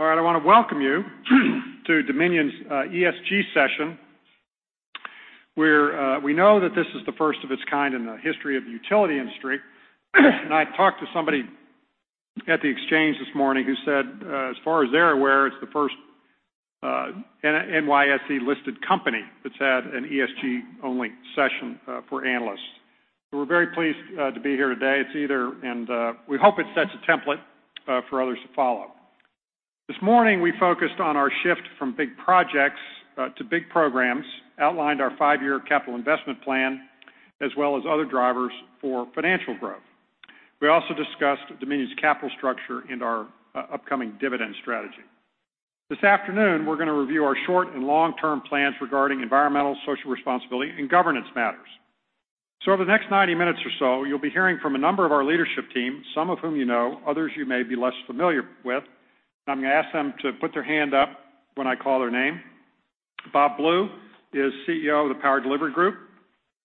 All right. I want to welcome you to Dominion's ESG session. We know that this is the first of its kind in the history of the utility industry. I talked to somebody at the exchange this morning who said, as far as they're aware, it's the first NYSE-listed company that's had an ESG-only session for analysts. We're very pleased to be here today, and we hope it sets a template for others to follow. This morning, we focused on our shift from big projects to big programs, outlined our five-year capital investment plan, as well as other drivers for financial growth. We also discussed Dominion's capital structure and our upcoming dividend strategy. This afternoon, we're going to review our short and long-term plans regarding environmental, social responsibility, and governance matters. Over the next 90 minutes or so, you'll be hearing from a number of our leadership team, some of whom you know, others you may be less familiar with. I'm going to ask them to put their hand up when I call their name. Bob Blue is CEO of the Power Delivery Group.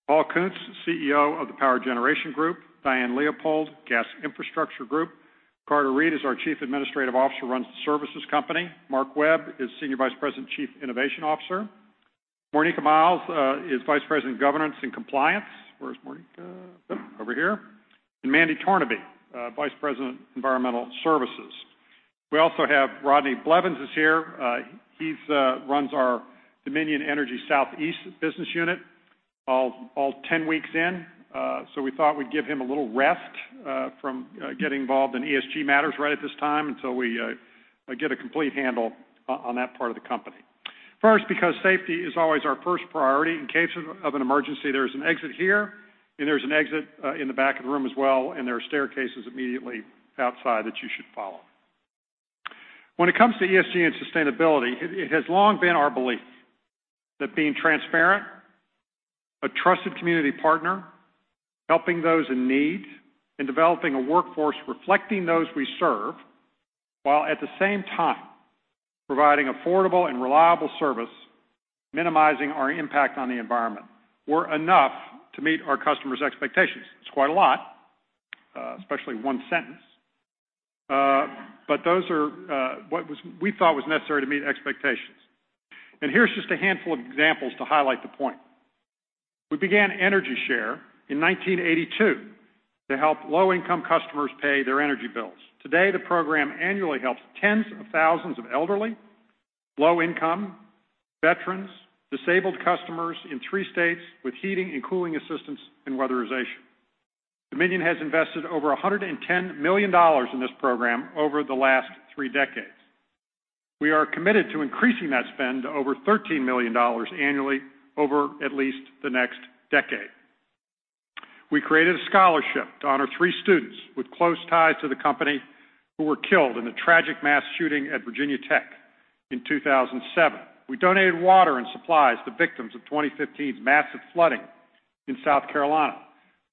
Paul Koonce, CEO of the Power Generation Group. Diane Leopold, Gas Infrastructure Group. Carter Reid is our Chief Administrative Officer, runs the services company. Mark Webb is Senior Vice President, Chief Innovation Officer. Morenike Miles is Vice President of Governance and Compliance. Where's Morenike? Over here. And Mandy Tornabene, Vice President of Environmental Services. We also have Rodney Blevins is here. He runs our Dominion Energy Southeast business unit, all 10 weeks in. We thought we'd give him a little rest from getting involved in ESG matters right at this time until we get a complete handle on that part of the company. First, because safety is always our first priority, in case of an emergency, there's an exit here and there's an exit in the back of the room as well, and there are staircases immediately outside that you should follow. When it comes to ESG and sustainability, it has long been our belief that being transparent, a trusted community partner, helping those in need, and developing a workforce reflecting those we serve, while at the same time providing affordable and reliable service, minimizing our impact on the environment, were enough to meet our customers' expectations. It's quite a lot, especially one sentence, but those are what we thought was necessary to meet expectations. Here's just a handful of examples to highlight the point. We began EnergyShare in 1982 to help low-income customers pay their energy bills. Today, the program annually helps tens of thousands of elderly, low-income, veterans, disabled customers in three states with heating and cooling assistance and weatherization. Dominion has invested over $110 million in this program over the last three decades. We are committed to increasing that spend to over $13 million annually over at least the next decade. We created a scholarship to honor three students with close ties to the company who were killed in the tragic mass shooting at Virginia Tech in 2007. We donated water and supplies to victims of 2015's massive flooding in South Carolina.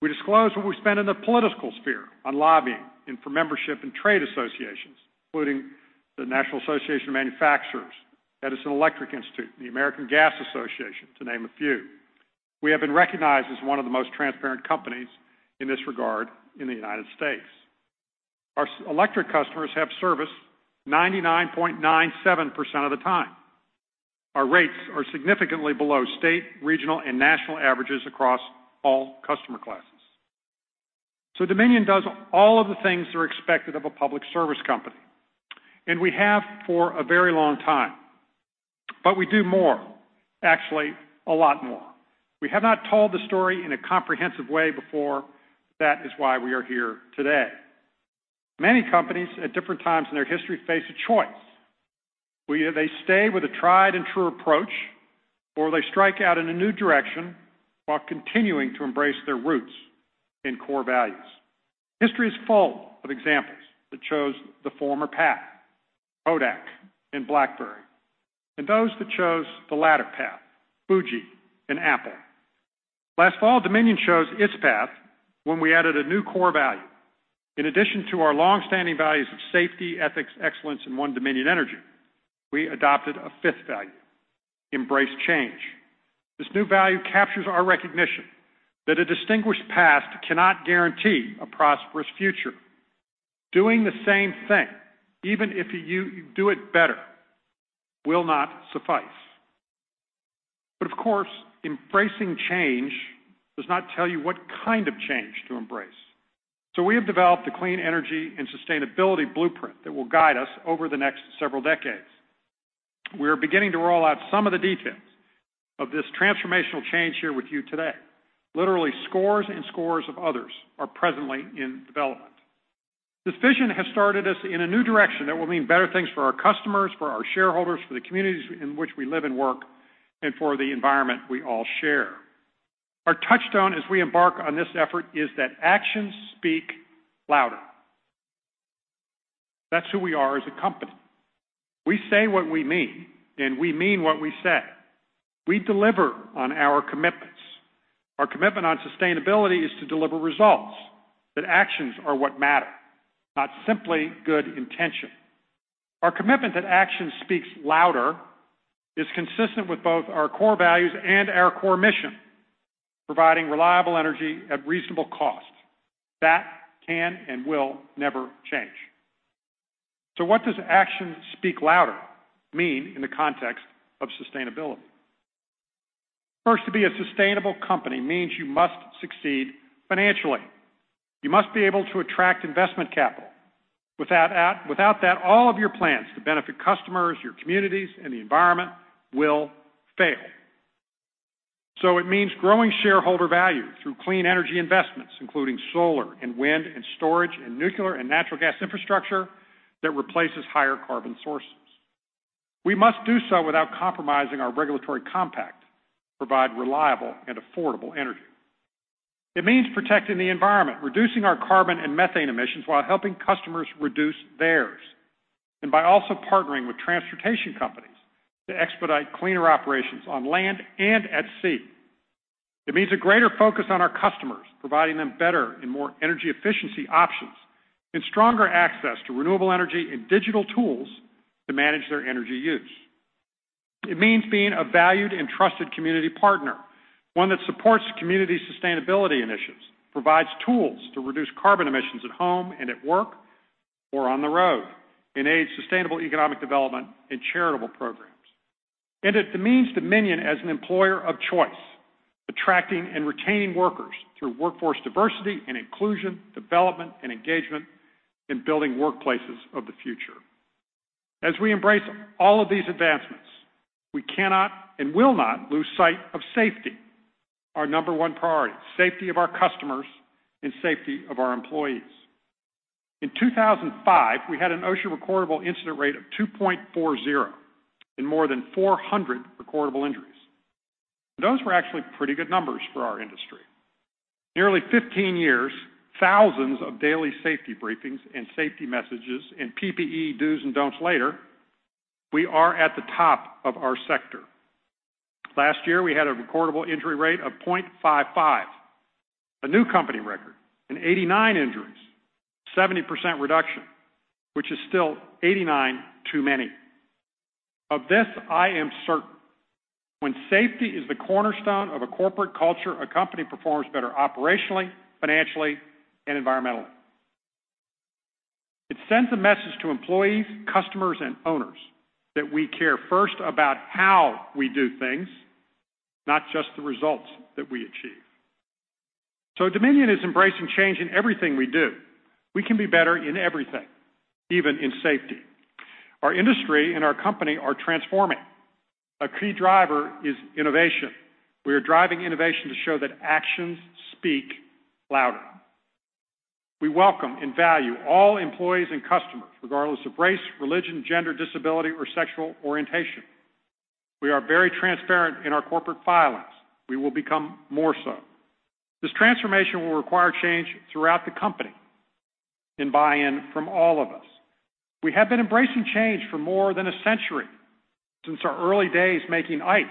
We disclose what we spend in the political sphere on lobbying and for membership and trade associations, including the National Association of Manufacturers, Edison Electric Institute, the American Gas Association, to name a few. We have been recognized as one of the most transparent companies in this regard in the U.S. Our electric customers have service 99.97% of the time. Our rates are significantly below state, regional, and national averages across all customer classes. Dominion does all of the things that are expected of a public service company, and we have for a very long time. We do more. Actually, a lot more. We have not told the story in a comprehensive way before. That is why we are here today. Many companies at different times in their history face a choice, where they stay with a tried-and-true approach, or they strike out in a new direction while continuing to embrace their roots and core values. History is full of examples that chose the former path, Kodak and BlackBerry, and those that chose the latter path, Fuji and Apple. Last fall, Dominion chose its path when we added a new core value. In addition to our longstanding values of safety, ethics, excellence, and one Dominion Energy, we adopted a fifth value, embrace change. This new value captures our recognition that a distinguished past cannot guarantee a prosperous future. Doing the same thing, even if you do it better, will not suffice. Of course, embracing change does not tell you what kind of change to embrace. We have developed a clean energy and sustainability blueprint that will guide us over the next several decades. We are beginning to roll out some of the details of this transformational change here with you today. Literally scores and scores of others are presently in development. This vision has started us in a new direction that will mean better things for our customers, for our shareholders, for the communities in which we live and work, and for the environment we all share. Our touchstone as we embark on this effort is that actions speak louder. That's who we are as a company. We say what we mean, and we mean what we say. We deliver on our commitments. Our commitment on sustainability is to deliver results, that actions are what matter, not simply good intention. Our commitment that action speaks louder is consistent with both our core values and our core mission. Providing reliable energy at reasonable costs. That can and will never change. What does actions speak louder mean in the context of sustainability? First, to be a sustainable company means you must succeed financially. You must be able to attract investment capital. Without that, all of your plans to benefit customers, your communities, and the environment will fail. It means growing shareholder value through clean energy investments, including solar and wind and storage and nuclear and natural gas infrastructure that replaces higher carbon sources. We must do so without compromising our regulatory compact to provide reliable and affordable energy. It means protecting the environment, reducing our carbon and methane emissions while helping customers reduce theirs, and by also partnering with transportation companies to expedite cleaner operations on land and at sea. It means a greater focus on our customers, providing them better and more energy efficiency options and stronger access to renewable energy and digital tools to manage their energy use. It means being a valued and trusted community partner, one that supports community sustainability initiatives, provides tools to reduce carbon emissions at home and at work or on the road, and aids sustainable economic development and charitable programs. It means Dominion as an employer of choice, attracting and retaining workers through workforce diversity and inclusion, development and engagement in building workplaces of the future. As we embrace all of these advancements, we cannot and will not lose sight of safety, our number one priority, safety of our customers and safety of our employees. In 2005, we had an OSHA recordable incident rate of 2.40 and more than 400 recordable injuries. Those were actually pretty good numbers for our industry. Nearly 15 years, thousands of daily safety briefings and safety messages, and PPE dos and don'ts later, we are at the top of our sector. Last year, we had a recordable injury rate of 0.55, a new company record, and 89 injuries, 70% reduction, which is still 89 too many. Of this, I am certain, when safety is the cornerstone of a corporate culture, a company performs better operationally, financially, and environmentally. It sends a message to employees, customers, and owners that we care first about how we do things, not just the results that we achieve. Dominion is embracing change in everything we do. We can be better in everything, even in safety. Our industry and our company are transforming. A key driver is innovation. We are driving innovation to show that actions speak louder. We welcome and value all employees and customers, regardless of race, religion, gender, disability, or sexual orientation. We are very transparent in our corporate filings. We will become more so. This transformation will require change throughout the company and buy-in from all of us. We have been embracing change for more than a century, since our early days making ice,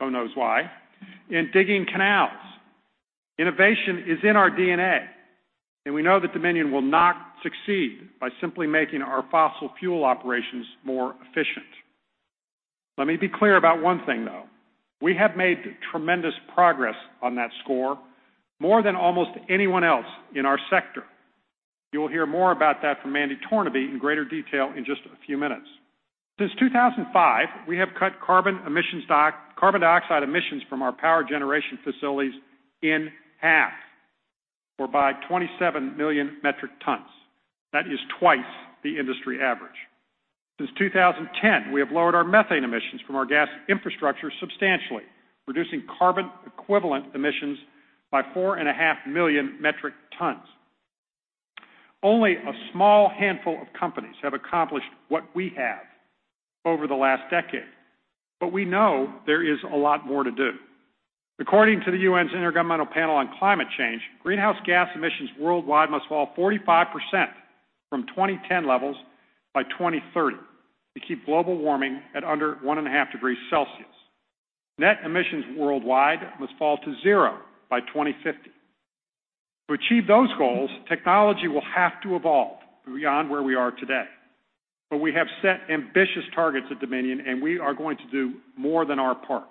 God knows why, and digging canals. Innovation is in our DNA, and we know that Dominion will not succeed by simply making our fossil fuel operations more efficient. Let me be clear about one thing, though. We have made tremendous progress on that score, more than almost anyone else in our sector. You'll hear more about that from Mandy Tornabene in greater detail in just a few minutes. Since 2005, we have cut carbon dioxide emissions from our power generation facilities in half or by 27 million metric tons. That is twice the industry average. Since 2010, we have lowered our methane emissions from our gas infrastructure substantially, reducing carbon equivalent emissions by 4.5 million metric tons. Only a small handful of companies have accomplished what we have over the last decade, but we know there is a lot more to do. According to the UN's Intergovernmental Panel on Climate Change, greenhouse gas emissions worldwide must fall 45% from 2010 levels by 2030 to keep global warming at under 1.5 degrees Celsius. Net emissions worldwide must fall to zero by 2050. To achieve those goals, technology will have to evolve beyond where we are today, but we have set ambitious targets at Dominion, and we are going to do more than our part.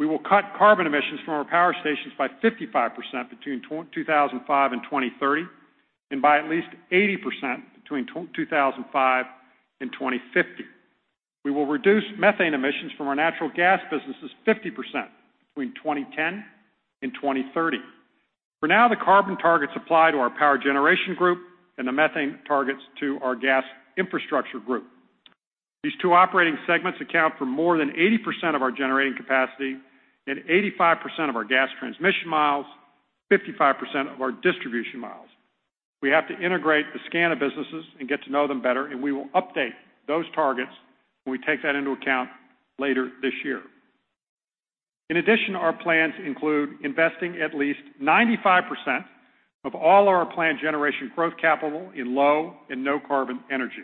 We will cut carbon emissions from our power stations by 55% between 2005 and 2030 and by at least 80% between 2005 and 2050. We will reduce methane emissions from our natural gas businesses 50% between 2010 and 2030. For now, the carbon targets apply to our Power Generation Group and the methane targets to our Gas Infrastructure Group. These two operating segments account for more than 80% of our generating capacity and 85% of our gas transmission miles, 55% of our distribution miles. We have to integrate the SCANA businesses and get to know them better. We will update those targets when we take that into account later this year. In addition, our plans include investing at least 95% of all our planned generation growth capital in low and no carbon energy,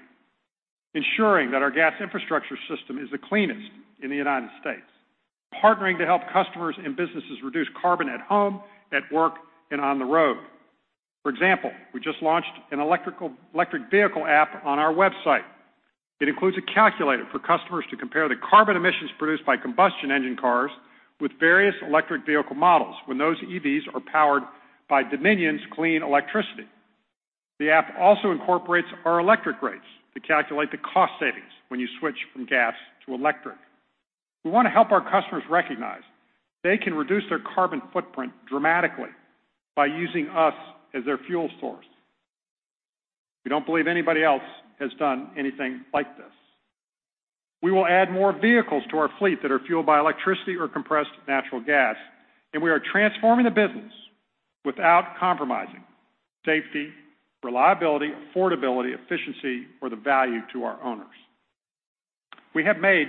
ensuring that our gas infrastructure system is the cleanest in the U.S., partnering to help customers and businesses reduce carbon at home, at work, and on the road. For example, we just launched an electric vehicle app on our website. It includes a calculator for customers to compare the carbon emissions produced by combustion engine cars with various electric vehicle models when those EVs are powered by Dominion's clean electricity. The app also incorporates our electric rates to calculate the cost savings when you switch from gas to electric. We want to help our customers recognize they can reduce their carbon footprint dramatically by using us as their fuel source. We don't believe anybody else has done anything like this. We will add more vehicles to our fleet that are fueled by electricity or compressed natural gas. We are transforming the business without compromising safety, reliability, affordability, efficiency, or the value to our owners. We have made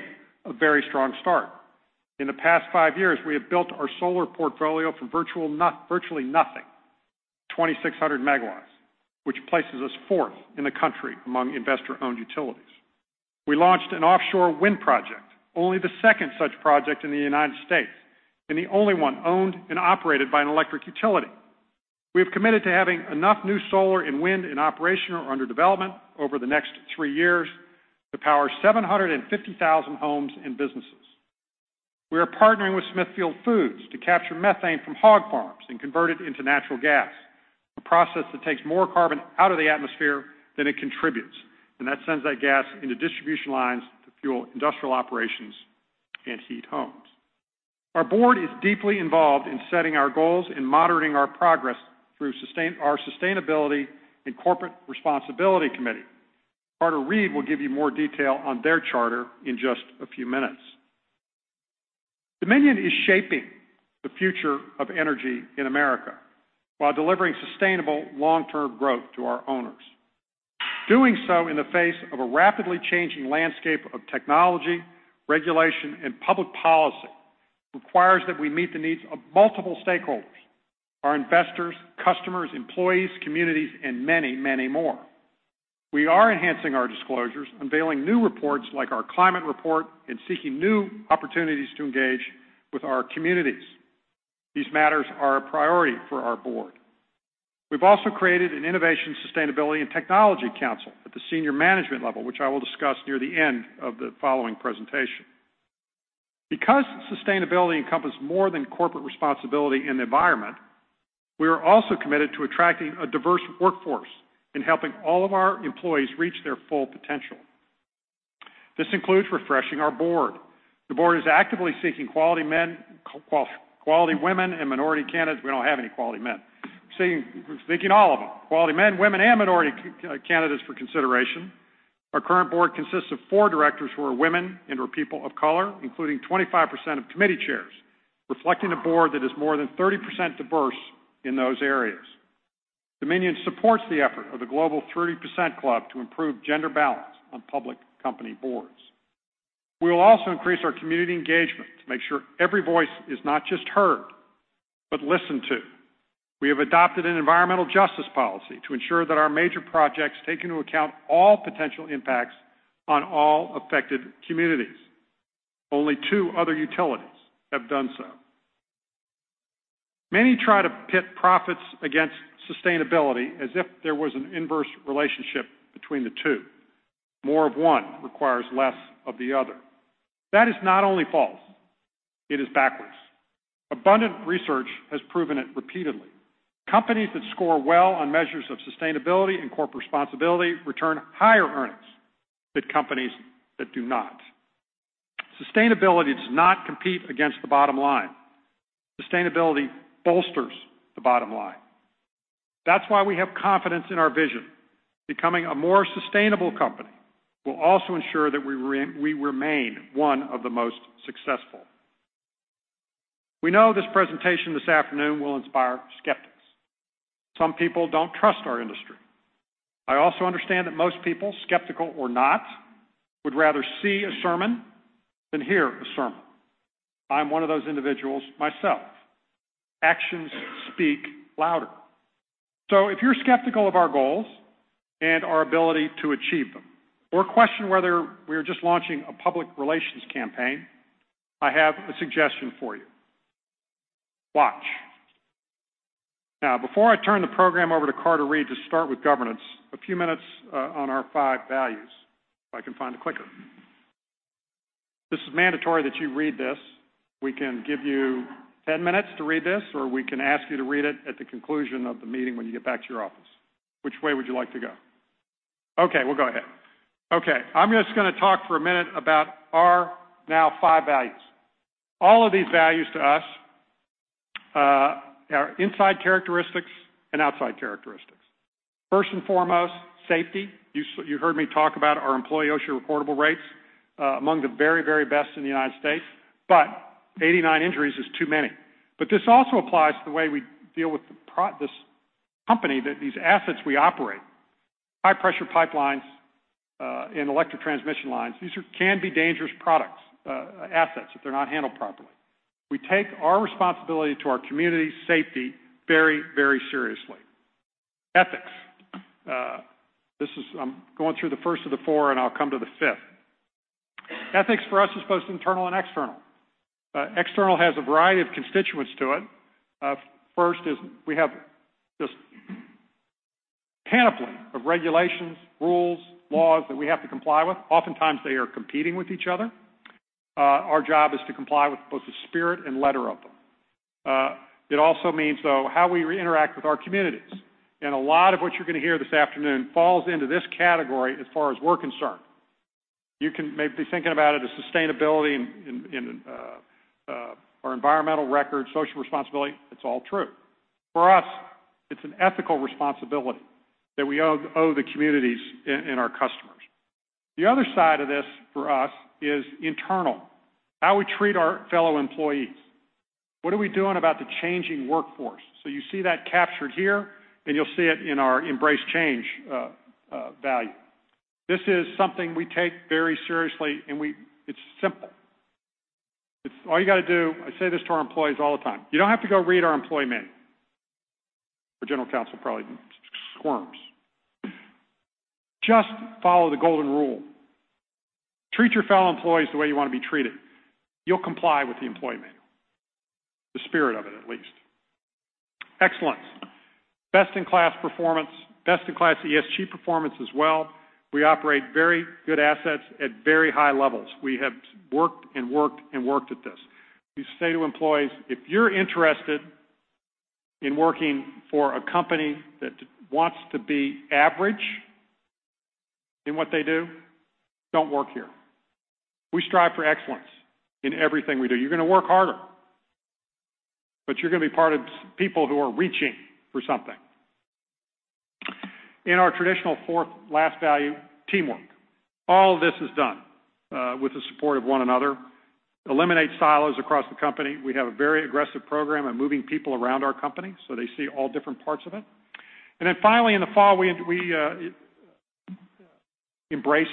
a very strong start. In the past five years, we have built our solar portfolio from virtually nothing to 2,600 megawatts, which places us fourth in the country among investor-owned utilities. We launched an offshore wind project, only the second such project in the U.S., and the only one owned and operated by an electric utility. We have committed to having enough new solar and wind in operation or under development over the next three years to power 750,000 homes and businesses. We are partnering with Smithfield Foods to capture methane from hog farms and convert it into natural gas, a process that takes more carbon out of the atmosphere than it contributes. That sends that gas into distribution lines to fuel industrial operations and heat homes. Our board is deeply involved in setting our goals and monitoring our progress through our Sustainability and Corporate Responsibility Committee. Carter Reid will give you more detail on their charter in just a few minutes. Dominion is shaping the future of energy in America while delivering sustainable long-term growth to our owners. Doing so in the face of a rapidly changing landscape of technology, regulation, and public policy requires that we meet the needs of multiple stakeholders, our investors, customers, employees, communities, and many, many more. We are enhancing our disclosures, unveiling new reports like our climate report, and seeking new opportunities to engage with our communities. These matters are a priority for our board. We've also created an Innovation, Sustainability, and Technology Council at the senior management level, which I will discuss near the end of the following presentation. Because sustainability encompass more than corporate responsibility and the environment, we are also committed to attracting a diverse workforce and helping all of our employees reach their full potential. This includes refreshing our board. The board is actively seeking quality men, quality women, and minority candidates. We don't have any quality men. Seeking all of them, quality men, women, and minority candidates for consideration. Our current board consists of four directors who are women and/or people of color, including 25% of committee chairs, reflecting a board that is more than 30% diverse in those areas. Dominion supports the effort of the Global 30% Club to improve gender balance on public company boards. We will also increase our community engagement to make sure every voice is not just heard, but listened to. We have adopted an environmental justice policy to ensure that our major projects take into account all potential impacts on all affected communities. Only two other utilities have done so. Many try to pit profits against sustainability as if there was an inverse relationship between the two. More of one requires less of the other. That is not only false, it is backwards. Abundant research has proven it repeatedly. Companies that score well on measures of sustainability and corporate responsibility return higher earnings than companies that do not. Sustainability does not compete against the bottom line. Sustainability bolsters the bottom line. That's why we have confidence in our vision. Becoming a more sustainable company will also ensure that we remain one of the most successful. We know this presentation this afternoon will inspire skeptics. Some people don't trust our industry. I also understand that most people, skeptical or not, would rather see a sermon than hear a sermon. I'm one of those individuals myself. Actions speak louder. If you're skeptical of our goals and our ability to achieve them or question whether we are just launching a public relations campaign, I have a suggestion for you. Watch. Now, before I turn the program over to Carter Reid to start with governance, a few minutes on our five values, if I can find the clicker. This is mandatory that you read this. We can give you 10 minutes to read this, or we can ask you to read it at the conclusion of the meeting when you get back to your office. Which way would you like to go? Okay, we'll go ahead. Okay, I'm just going to talk for a minute about our now five values. All of these values to us are inside characteristics and outside characteristics. First and foremost, safety. You heard me talk about our employee OSHA reportable rates, among the very, very best in the U.S., but 89 injuries is too many. This also applies to the way we deal with this company, these assets we operate. High-pressure pipelines and electric transmission lines, these can be dangerous assets if they're not handled properly. We take our responsibility to our community's safety very, very seriously. Ethics. I'm going through the first of the four, and I'll come to the fifth. Ethics for us is both internal and external. External has a variety of constituents to it. First is we have this panoply of regulations, rules, laws that we have to comply with. Oftentimes, they are competing with each other. Our job is to comply with both the spirit and letter of them. It also means, though, how we interact with our communities. A lot of what you're going to hear this afternoon falls into this category, as far as we're concerned. You can maybe be thinking about it as sustainability and our environmental record, social responsibility. It's all true. For us, it's an ethical responsibility that we owe the communities and our customers. The other side of this for us is internal, how we treat our fellow employees. What are we doing about the changing workforce? You see that captured here, and you'll see it in our embrace change value. This is something we take very seriously, and it's simple. All you got to do, I say this to our employees all the time. You don't have to go read our employee manual. Our general counsel probably squirms. Just follow the golden rule. Treat your fellow employees the way you want to be treated. You'll comply with the employee manual, the spirit of it, at least. Excellence. Best-in-class performance, best-in-class ESG performance as well. We operate very good assets at very high levels. We have worked and worked at this. We say to employees, if you're interested in working for a company that wants to be average in what they do, don't work here. We strive for excellence in everything we do. You're going to work harder, you're going to be part of people who are reaching for something. In our traditional fourth last value, teamwork. All this is done with the support of one another. Eliminate silos across the company. We have a very aggressive program of moving people around our company, so they see all different parts of it. Finally, in the fall, we embraced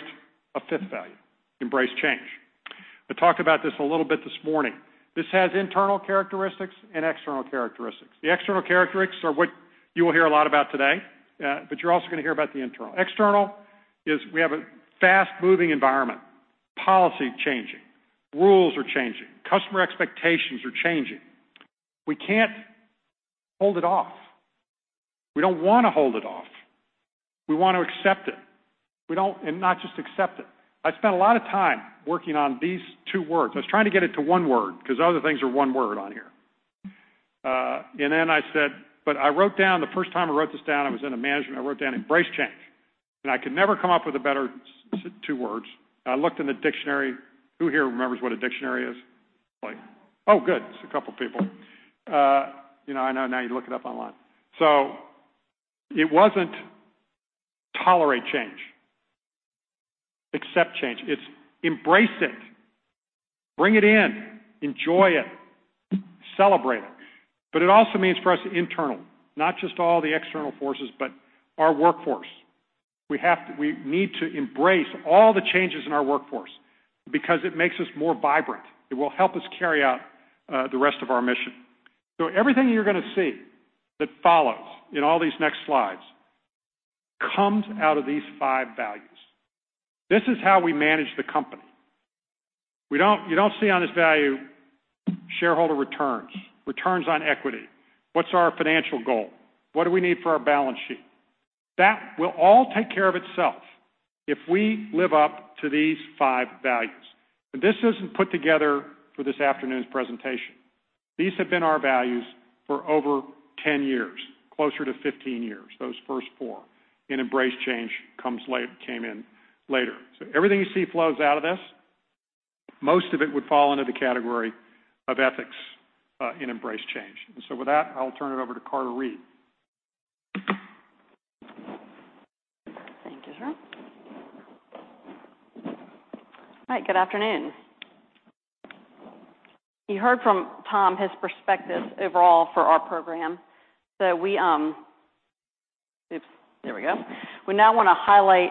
a fifth value, embrace change. I talked about this a little bit this morning. This has internal characteristics and external characteristics. The external characteristics are what you will hear a lot about today, you're also going to hear about the internal. External is we have a fast-moving environment, policy changing, rules are changing, customer expectations are changing. We can't hold it off. We don't want to hold it off. We want to accept it. Not just accept it. I spent a lot of time working on these two words. I was trying to get it to one word because other things are one word on here. I said, the first time I wrote this down, I was in a management, I wrote down embrace change. I could never come up with better two words. I looked in the dictionary. Who here remembers what a dictionary is? Oh, good. A couple people. I know now you look it up online. It wasn't tolerate change, accept change. It's embrace it, bring it in, enjoy it, celebrate it. It also means for us internal, not just all the external forces, but our workforce. We need to embrace all the changes in our workforce because it makes us more vibrant. It will help us carry out the rest of our mission. Everything you're going to see that follows in all these next slides comes out of these five values. This is how we manage the company. You don't see on this value shareholder returns on equity. What's our financial goal? What do we need for our balance sheet? That will all take care of itself if we live up to these five values. This isn't put together for this afternoon's presentation. These have been our values for over 10 years, closer to 15 years, those first four, and embrace change came in later. Everything you see flows out of this. Most of it would fall under the category of ethics in embrace change. With that, I'll turn it over to Carter Reid. Thank you, sir. All right. Good afternoon. You heard from Tom his perspective overall for our program. Oops, there we go. We now want to highlight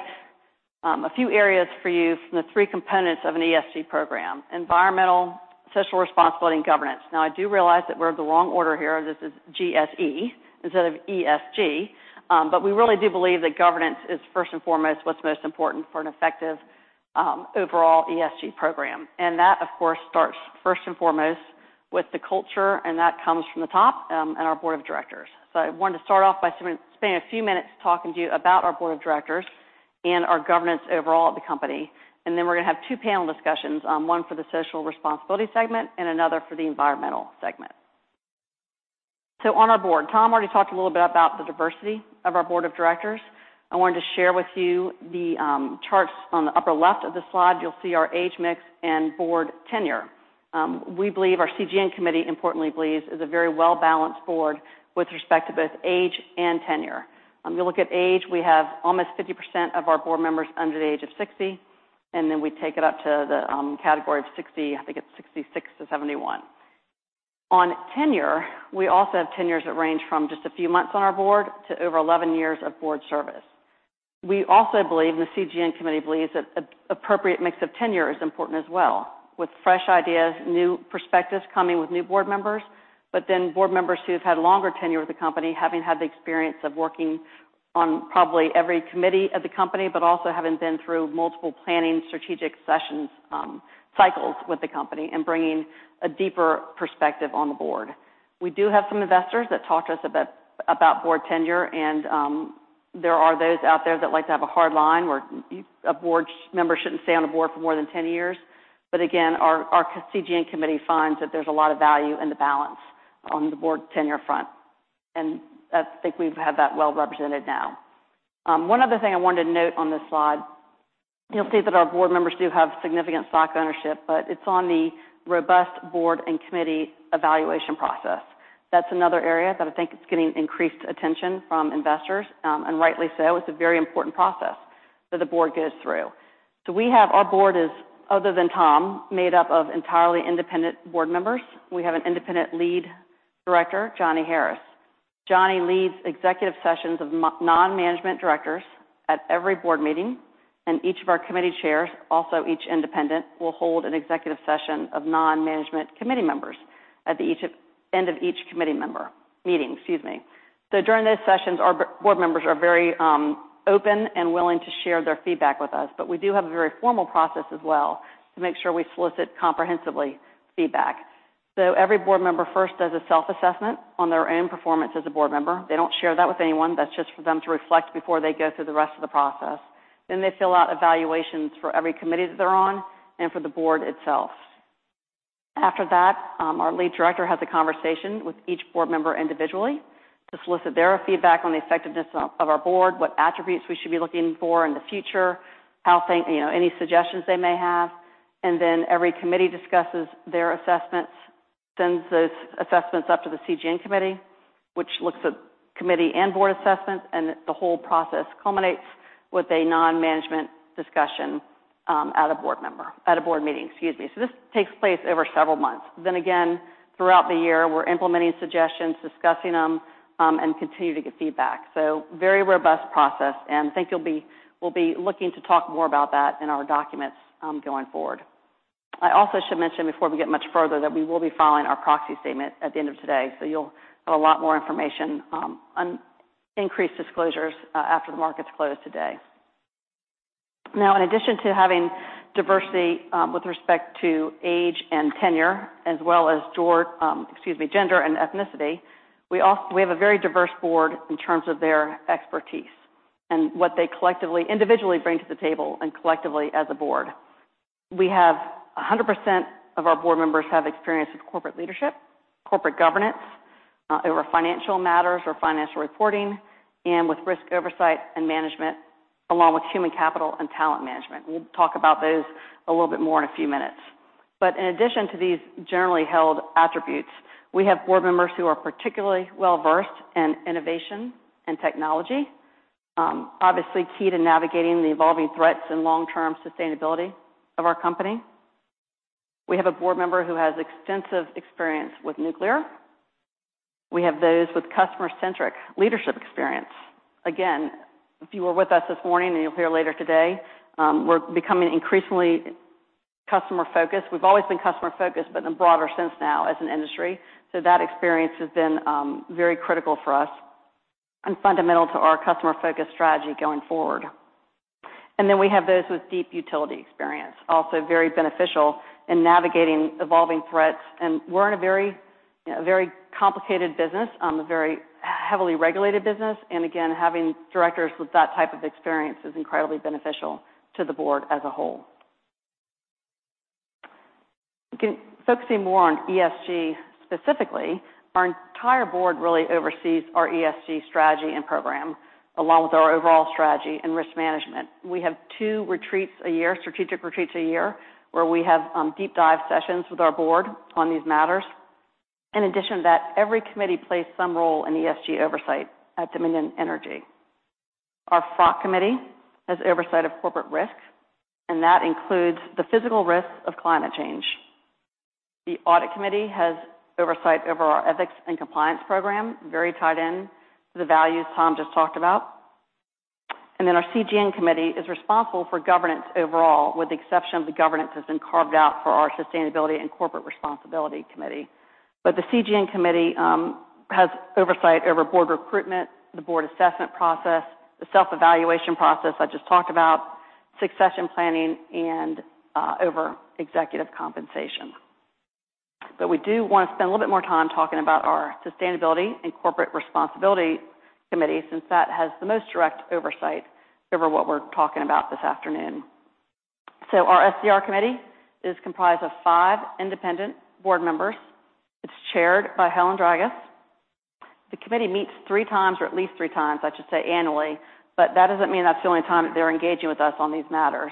a few areas for you from the three components of an ESG program, environmental, social responsibility, and governance. I do realize that we're the wrong order here. This is GSE instead of ESG, but we really do believe that governance is first and foremost what's most important for an effective overall ESG program. That, of course, starts first and foremost with the culture, and that comes from the top, and our board of directors. I wanted to start off by spending a few minutes talking to you about our board of directors and our governance overall at the company. We're going to have two panel discussions, one for the social responsibility segment and another for the environmental segment. On our board, Tom already talked a little bit about the diversity of our board of directors. I wanted to share with you the charts on the upper left of the slide. You'll see our age mix and board tenure. We believe our CGN Committee, importantly, believes is a very well-balanced board with respect to both age and tenure. You look at age, we have almost 50% of our board members under the age of 60, and then we take it up to the category of 60, I think it's 66 to 71. On tenure, we also have tenures that range from just a few months on our board to over 11 years of board service. We also believe, the CGN Committee believes, that the appropriate mix of tenure is important as well, with fresh ideas, new perspectives coming with new board members, board members who've had longer tenure with the company, having had the experience of working on probably every committee of the company, also having been through multiple planning strategic sessions cycles with the company and bringing a deeper perspective on the board. We do have some investors that talk to us about board tenure. There are those out there that like to have a hard line where a board member shouldn't stay on a board for more than 10 years. Again, our CGN Committee finds that there's a lot of value in the balance on the board tenure front, I think we've had that well represented now. One other thing I wanted to note on this slide, you'll see that our board members do have significant stock ownership, but it's on the robust board and committee evaluation process. That's another area that I think is getting increased attention from investors, and rightly so. It's a very important process that the board goes through. Our board is, other than Tom, made up of entirely independent board members. We have an independent lead director, Johnny Harris. Johnny leads executive sessions of non-management directors at every board meeting, and each of our committee chairs, also each independent, will hold an executive session of non-management committee members at the end of each committee member meeting. Excuse me. During those sessions, our board members are very open and willing to share their feedback with us. We do have a very formal process as well to make sure we solicit comprehensively feedback. Every board member first does a self-assessment on their own performance as a board member. They don't share that with anyone. That's just for them to reflect before they go through the rest of the process. They fill out evaluations for every committee that they're on and for the board itself. After that, our lead director has a conversation with each board member individually to solicit their feedback on the effectiveness of our board, what attributes we should be looking for in the future, any suggestions they may have. Every committee discusses their assessments, sends those assessments up to the CGN Committee, which looks at committee and board assessments, and the whole process culminates with a non-management discussion at a board meeting, excuse me. This takes place over several months. Again, throughout the year, we're implementing suggestions, discussing them, and continuing to get feedback. Very robust process, and think we'll be looking to talk more about that in our documents going forward. I also should mention, before we get much further, that we will be filing our proxy statement at the end of today, so you'll have a lot more information on increased disclosures after the markets close today. Now, in addition to having diversity with respect to age and tenure, as well as gender and ethnicity, we have a very diverse board in terms of their expertise and what they collectively, individually bring to the table and collectively as a board. We have 100% of our board members have experience with corporate leadership, corporate governance over financial matters or financial reporting, and with risk oversight and management, along with human capital and talent management. We'll talk about those a little bit more in a few minutes. In addition to these generally held attributes, we have board members who are particularly well-versed in innovation and technology, obviously key to navigating the evolving threats and long-term sustainability of our company. We have a board member who has extensive experience with nuclear. We have those with customer-centric leadership experience. Again, if you were with us this morning, and you'll hear later today, we're becoming increasingly customer-focused. We've always been customer-focused, but in a broader sense now as an industry. That experience has been very critical for us and fundamental to our customer-focused strategy going forward. We have those with deep utility experience, also very beneficial in navigating evolving threats. We're in a very complicated business, a very heavily regulated business. Again, having directors with that type of experience is incredibly beneficial to the board as a whole. Focusing more on ESG specifically, our entire board really oversees our ESG strategy and program, along with our overall strategy and risk management. We have two retreats a year, strategic retreats a year, where we have deep dive sessions with our board on these matters. In addition to that, every committee plays some role in ESG oversight at Dominion Energy. Our FROC committee has oversight of corporate risk, and that includes the physical risks of climate change. The audit committee has oversight over our ethics and compliance program, very tied in to the values Tom just talked about. Our CGN Committee is responsible for governance overall, with the exception of the governance that's been carved out for our Sustainability and Corporate Responsibility Committee. The CGN Committee has oversight over board recruitment, the board assessment process, the self-evaluation process I just talked about, succession planning, and over executive compensation. We do want to spend a little bit more time talking about our Sustainability and Corporate Responsibility Committee, since that has the most direct oversight over what we're talking about this afternoon. Our SCR Committee is comprised of five independent board members. It's chaired by Helen Dragas. The committee meets three times, or at least three times, I should say, annually. That doesn't mean that's the only time that they're engaging with us on these matters.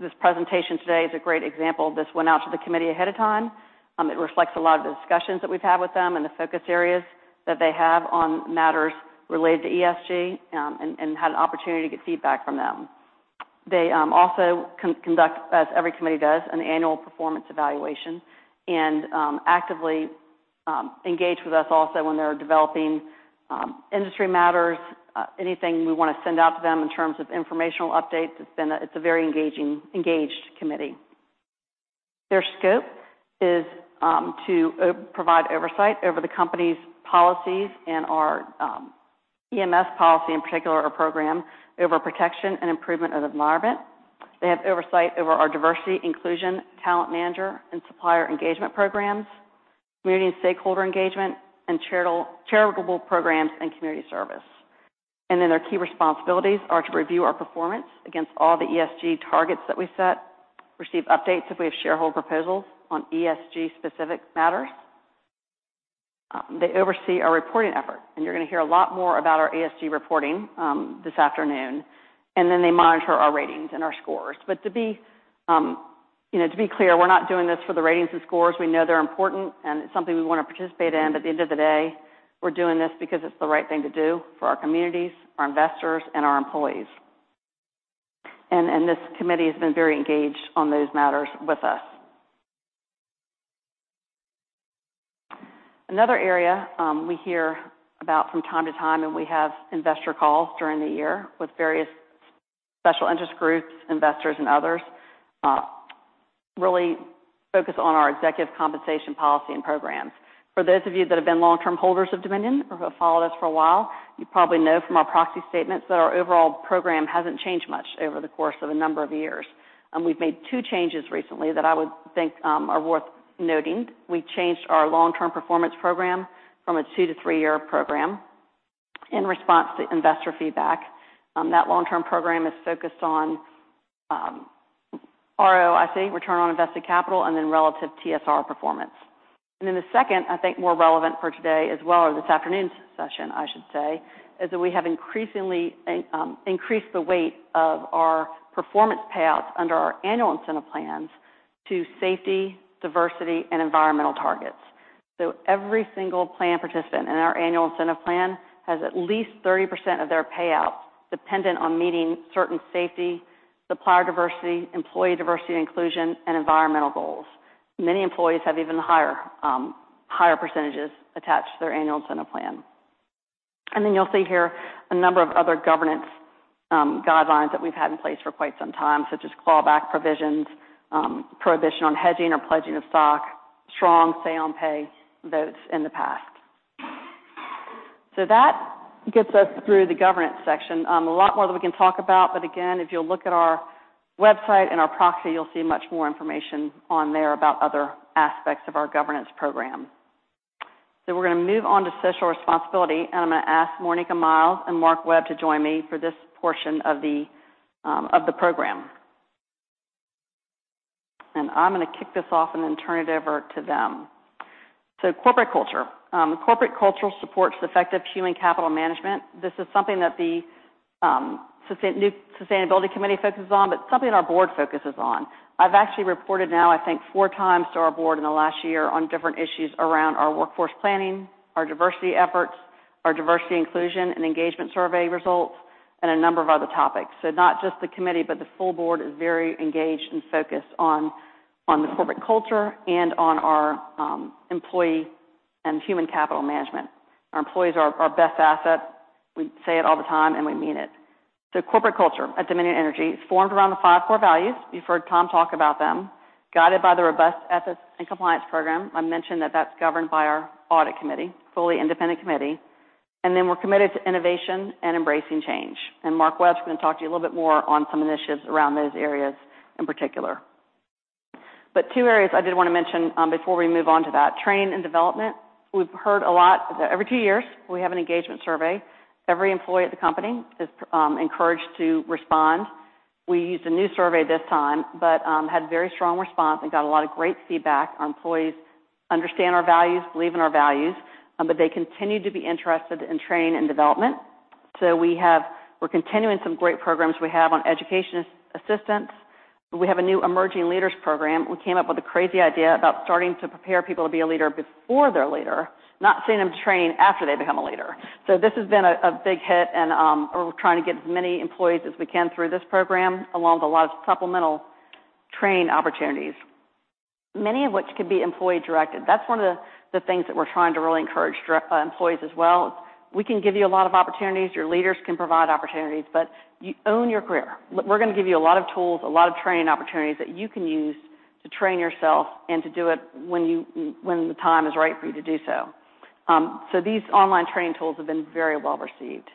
This presentation today is a great example. This went out to the committee ahead of time. It reflects a lot of the discussions that we've had with them and the focus areas that they have on matters related to ESG, and had an opportunity to get feedback from them. They also conduct, as every committee does, an annual performance evaluation and actively engage with us also when they're developing industry matters, anything we want to send out to them in terms of informational updates. It's a very engaged committee. Their scope is to provide oversight over the company's policies and our EMS policy in particular, or program over protection and improvement of the environment. They have oversight over our diversity inclusion, talent manager, and supplier engagement programs, community and stakeholder engagement, and charitable programs and community service. Their key responsibilities are to review our performance against all the ESG targets that we set, receive updates if we have shareholder proposals on ESG specific matters. They oversee our reporting effort, you're going to hear a lot more about our ESG reporting this afternoon. They monitor our ratings and our scores. To be clear, we're not doing this for the ratings and scores. We know they're important, and it's something we want to participate in. At the end of the day, we're doing this because it's the right thing to do for our communities, our investors, and our employees. This committee has been very engaged on those matters with us. Another area we hear about from time to time, and we have investor calls during the year with various special interest groups, investors, and others, really focus on our executive compensation policy and programs. For those of you that have been long-term holders of Dominion or have followed us for a while, you probably know from our proxy statements that our overall program hasn't changed much over the course of a number of years. We've made two changes recently that I would think are worth noting. We changed our long-term performance program from a two to three-year program in response to investor feedback. That long-term program is focused on ROIC, return on invested capital, and then relative TSR performance. The second, I think more relevant for today as well or this afternoon's session, I should say, is that we have increased the weight of our performance payouts under our annual incentive plans to safety, diversity, and environmental targets. Every single plan participant in our annual incentive plan has at least 30% of their payout dependent on meeting certain safety, supplier diversity, employee diversity and inclusion, and environmental goals. Many employees have even higher percentages attached to their annual incentive plan. Then you'll see here a number of other governance guidelines that we've had in place for quite some time, such as clawback provisions, prohibition on hedging or pledging of stock, strong say-on-pay votes in the past. That gets us through the governance section. A lot more that we can talk about, but again, if you'll look at our website and our proxy, you'll see much more information on there about other aspects of our governance program. We're going to move on to social responsibility, and I'm going to ask Morenike Miles and Mark Webb to join me for this portion of the program. I'm going to kick this off and then turn it over to them. Corporate culture. Corporate culture supports effective human capital management. This is something that the new Sustainability Committee focuses on, but something our board focuses on. I've actually reported now, I think, four times to our board in the last year on different issues around our workforce planning, our diversity efforts, our diversity inclusion and engagement survey results, and a number of other topics. So not just the committee, but the full board is very engaged and focused on the corporate culture and on our employee and human capital management. Our employees are our best asset. We say it all the time, and we mean it. Corporate culture at Dominion Energy is formed around the five core values. You've heard Tom talk about them, guided by the robust ethics and compliance program. I mentioned that that's governed by our audit committee, fully independent committee. Then we're committed to innovation and embracing change. Mark Webb's going to talk to you a little bit more on some initiatives around those areas in particular. But two areas I did want to mention before we move on to that, training and development. We've heard a lot. Every two years, we have an engagement survey. Every employee at the company is encouraged to respond. We used a new survey this time, but had a very strong response and got a lot of great feedback. Our employees understand our values, believe in our values, but they continue to be interested in training and development. So we're continuing some great programs we have on education assistance. We have a new emerging leaders program. We came up with a crazy idea about starting to prepare people to be a leader before they're a leader, not sending them to training after they become a leader. This has been a big hit, and we're trying to get as many employees as we can through this program, along with a lot of supplemental training opportunities, many of which can be employee-directed. That's one of the things that we're trying to really encourage employees as well. We can give you a lot of opportunities. Your leaders can provide opportunities, but you own your career. We're going to give you a lot of tools, a lot of training opportunities that you can use to train yourself and to do it when the time is right for you to do so. These online training tools have been very well-received.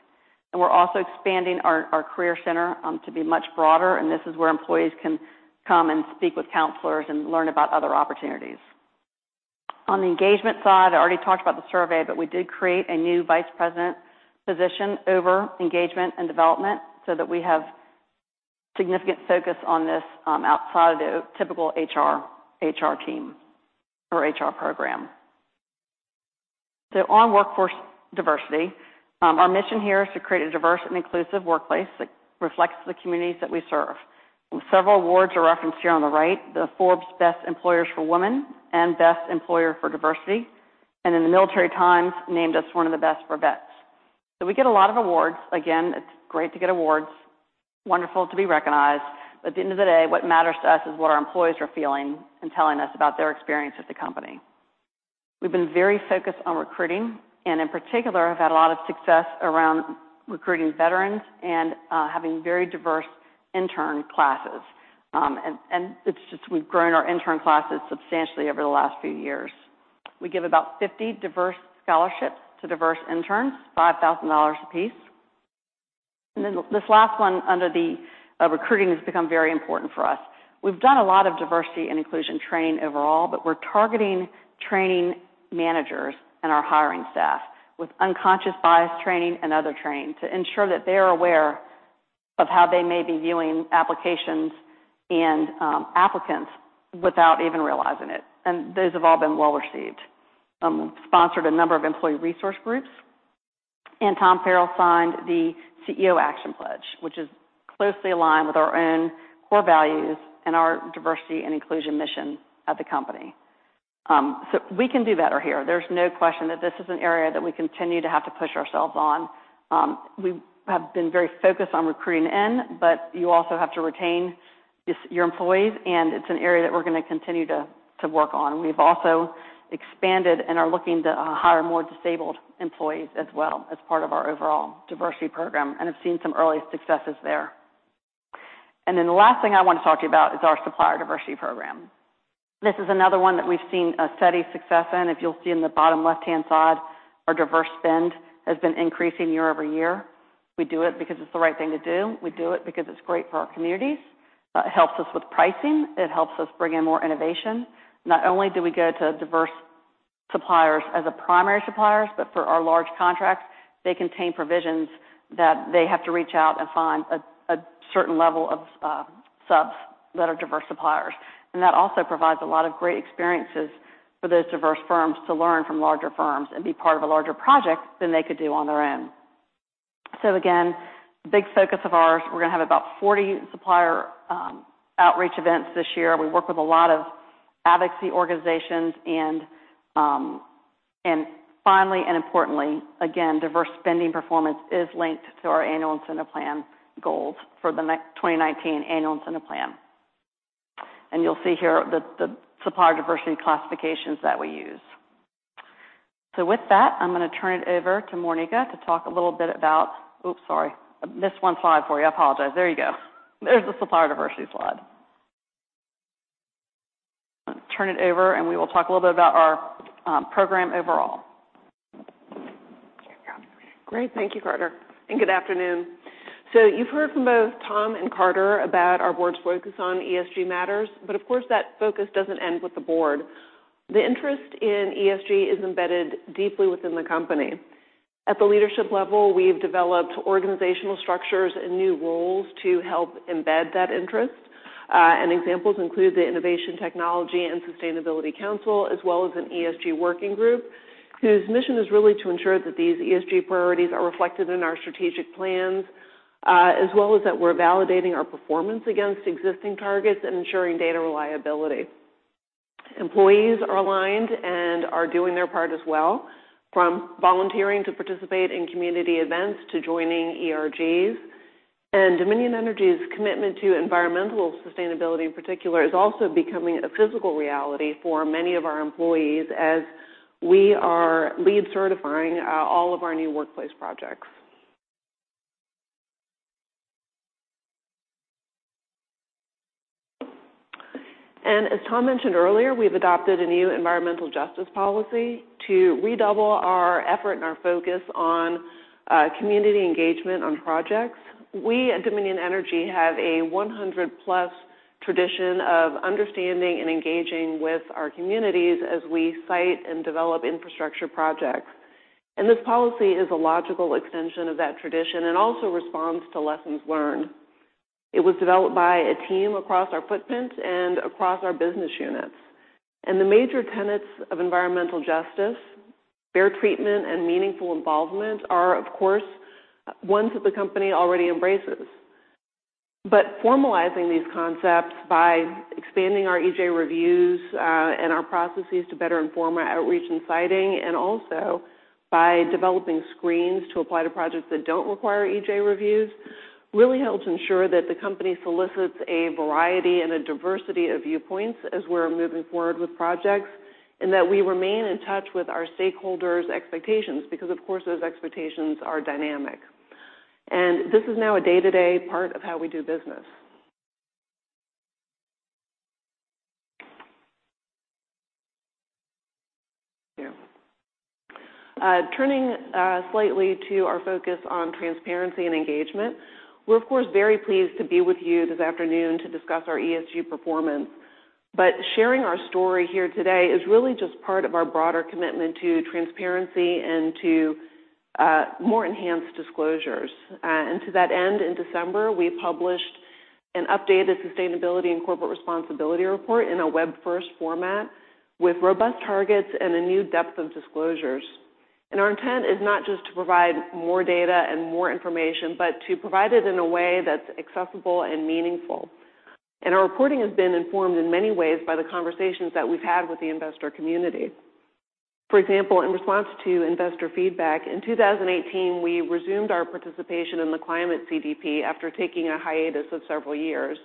We're also expanding our career center to be much broader, and this is where employees can come and speak with counselors and learn about other opportunities. On the engagement side, I already talked about the survey, we did create a new vice president position over engagement and development so that we have significant focus on this outside of the typical HR team or HR program. On workforce diversity, our mission here is to create a diverse and inclusive workplace that reflects the communities that we serve. Several awards are referenced here on the right, the Forbes Best Employers for Women and Best Employer for Diversity, and then the Military Times named us one of the Best for Vets. We get a lot of awards. Again, it's great to get awards, wonderful to be recognized. At the end of the day, what matters to us is what our employees are feeling and telling us about their experience at the company. We've been very focused on recruiting, and in particular, have had a lot of success around recruiting veterans and having very diverse intern classes. We've grown our intern classes substantially over the last few years. We give about 50 diverse scholarships to diverse interns, $5,000 a piece. This last one under the recruiting has become very important for us. We've done a lot of diversity and inclusion training overall, we're targeting training managers and our hiring staff with unconscious bias training and other training to ensure that they're aware of how they may be viewing applications and applicants without even realizing it. Those have all been well-received. Sponsored a number of Employee Resource Groups. Tom Farrell signed the CEO Action Pledge, which is closely aligned with our own core values and our diversity and inclusion mission at the company. We can do better here. There's no question that this is an area that we continue to have to push ourselves on. We have been very focused on recruiting in, you also have to retain your employees, it's an area that we're going to continue to work on. We've also expanded and are looking to hire more disabled employees as well as part of our overall diversity program, have seen some early successes there. The last thing I want to talk to you about is our supplier diversity program. This is another one that we've seen a steady success in. If you'll see in the bottom left-hand side, our diverse spend has been increasing year-over-year. We do it because it's the right thing to do. We do it because it's great for our communities. It helps us with pricing. It helps us bring in more innovation. Not only do we go to diverse suppliers as primary suppliers, but for our large contracts, they contain provisions that they have to reach out and find a certain level of subs that are diverse suppliers. That also provides a lot of great experiences for those diverse firms to learn from larger firms and be part of a larger project than they could do on their own. Again, big focus of ours. We're going to have about 40 supplier outreach events this year. We work with a lot of advocacy organizations and finally, importantly, again, diverse spending performance is linked to our annual incentive plan goals for the 2019 annual incentive plan. You'll see here the supplier diversity classifications that we use. With that, I'm going to turn it over to Morenike to talk a little bit about. Oops, sorry. I missed one slide for you. I apologize. There you go. There's the supplier diversity slide. Turn it over, and we will talk a little bit about our program overall. Great. Thank you, Carter, and good afternoon. You've heard from both Tom and Carter about our board's focus on ESG matters, but of course, that focus doesn't end with the board. The interest in ESG is embedded deeply within the company. At the leadership level, we've developed organizational structures and new roles to help embed that interest. Examples include the Innovation, Technology, and Sustainability Council, as well as an ESG working group, whose mission is really to ensure that these ESG priorities are reflected in our strategic plans, as well as that we're validating our performance against existing targets and ensuring data reliability. Employees are aligned and are doing their part as well, from volunteering to participate in community events to joining ERGs. Dominion Energy's commitment to environmental sustainability, in particular, is also becoming a physical reality for many of our employees as we are LEED certifying all of our new workplace projects. As Tom mentioned earlier, we've adopted a new environmental justice policy to redouble our effort and our focus on community engagement on projects. We at Dominion Energy have a 100-plus tradition of understanding and engaging with our communities as we site and develop infrastructure projects. This policy is a logical extension of that tradition and also responds to lessons learned. It was developed by a team across our footprint and across our business units. The major tenets of environmental justice, fair treatment, and meaningful involvement are, of course, ones that the company already embraces. Formalizing these concepts by expanding our EJ reviews, and our processes to better inform our outreach and siting, and also by developing screens to apply to projects that don't require EJ reviews, really helps ensure that the company solicits a variety and a diversity of viewpoints as we're moving forward with projects, and that we remain in touch with our stakeholders' expectations, because, of course, those expectations are dynamic. This is now a day-to-day part of how we do business. Thank you. Turning slightly to our focus on transparency and engagement. We're of course, very pleased to be with you this afternoon to discuss our ESG performance. Sharing our story here today is really just part of our broader commitment to transparency and to more enhanced disclosures. To that end, in December, we published an updated sustainability and corporate responsibility report in a web-first format with robust targets and a new depth of disclosures. Our intent is not just to provide more data and more information, but to provide it in a way that's accessible and meaningful. Our reporting has been informed in many ways by the conversations that we've had with the investor community. For example, in response to investor feedback, in 2018, we resumed our participation in the Climate CDP after taking a hiatus of several years.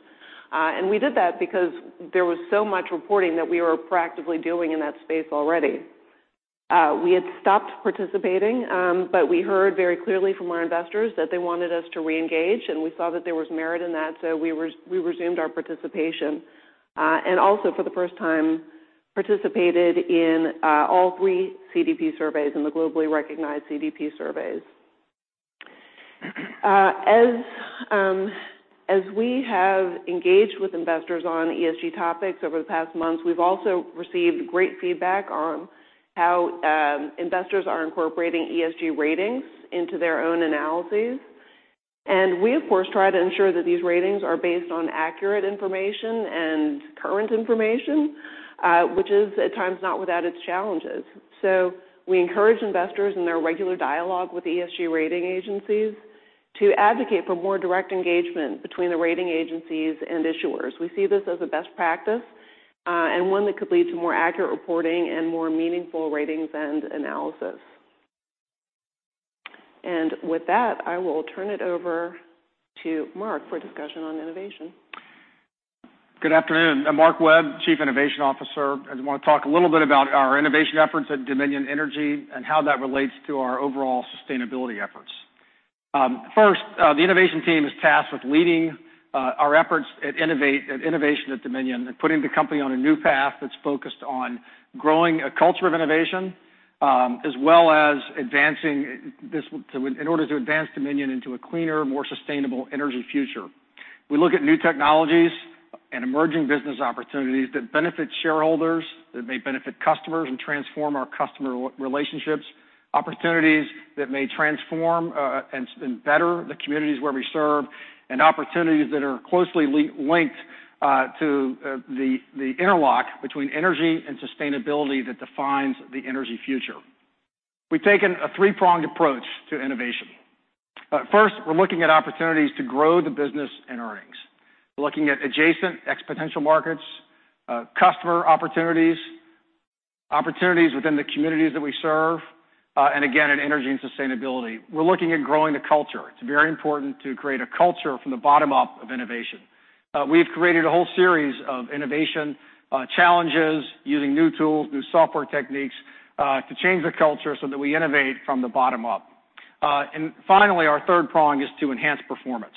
We did that because there was so much reporting that we were practically doing in that space already. We had stopped participating, but we heard very clearly from our investors that they wanted us to reengage, and we saw that there was merit in that, so we resumed our participation. Also, for the first time, participated in all three CDP surveys, in the globally recognized CDP surveys. As we have engaged with investors on ESG topics over the past months, we've also received great feedback on how investors are incorporating ESG ratings into their own analyses. We, of course, try to ensure that these ratings are based on accurate information and current information, which is, at times, not without its challenges. We encourage investors in their regular dialogue with ESG rating agencies to advocate for more direct engagement between the rating agencies and issuers. We see this as a best practice and one that could lead to more accurate reporting and more meaningful ratings and analysis. With that, I will turn it over to Mark for a discussion on innovation. Good afternoon. I'm Mark Webb, Chief Innovation Officer. I want to talk a little bit about our innovation efforts at Dominion Energy and how that relates to our overall sustainability efforts. First, the innovation team is tasked with leading our efforts at innovation at Dominion and putting the company on a new path that's focused on growing a culture of innovation, as well as in order to advance Dominion into a cleaner, more sustainable energy future. We look at new technologies and emerging business opportunities that benefit shareholders, that may benefit customers and transform our customer relationships, opportunities that may transform and better the communities where we serve, and opportunities that are closely linked to the interlock between energy and sustainability that defines the energy future. We've taken a three-pronged approach to innovation. First, we're looking at opportunities to grow the business and earnings. We're looking at adjacent exponential markets, customer opportunities within the communities that we serve, and again, in energy and sustainability. We're looking at growing the culture. It's very important to create a culture from the bottom up of innovation. We've created a whole series of innovation challenges using new tools, new software techniques to change the culture so that we innovate from the bottom up. Finally, our third prong is to enhance performance.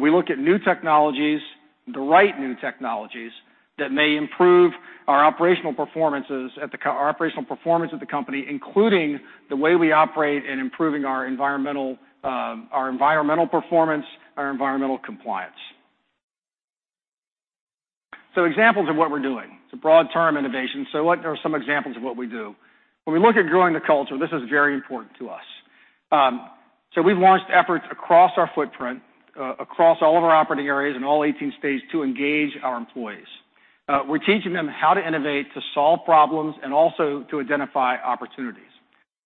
We look at new technologies, the right new technologies that may improve our operational performance of the company, including the way we operate and improving our environmental performance, our environmental compliance. Examples of what we're doing. It's a broad term, innovation, so what are some examples of what we do? When we look at growing the culture, this is very important to us. We've launched efforts across our footprint, across all of our operating areas in all 18 states to engage our employees. We're teaching them how to innovate, to solve problems, and also to identify opportunities.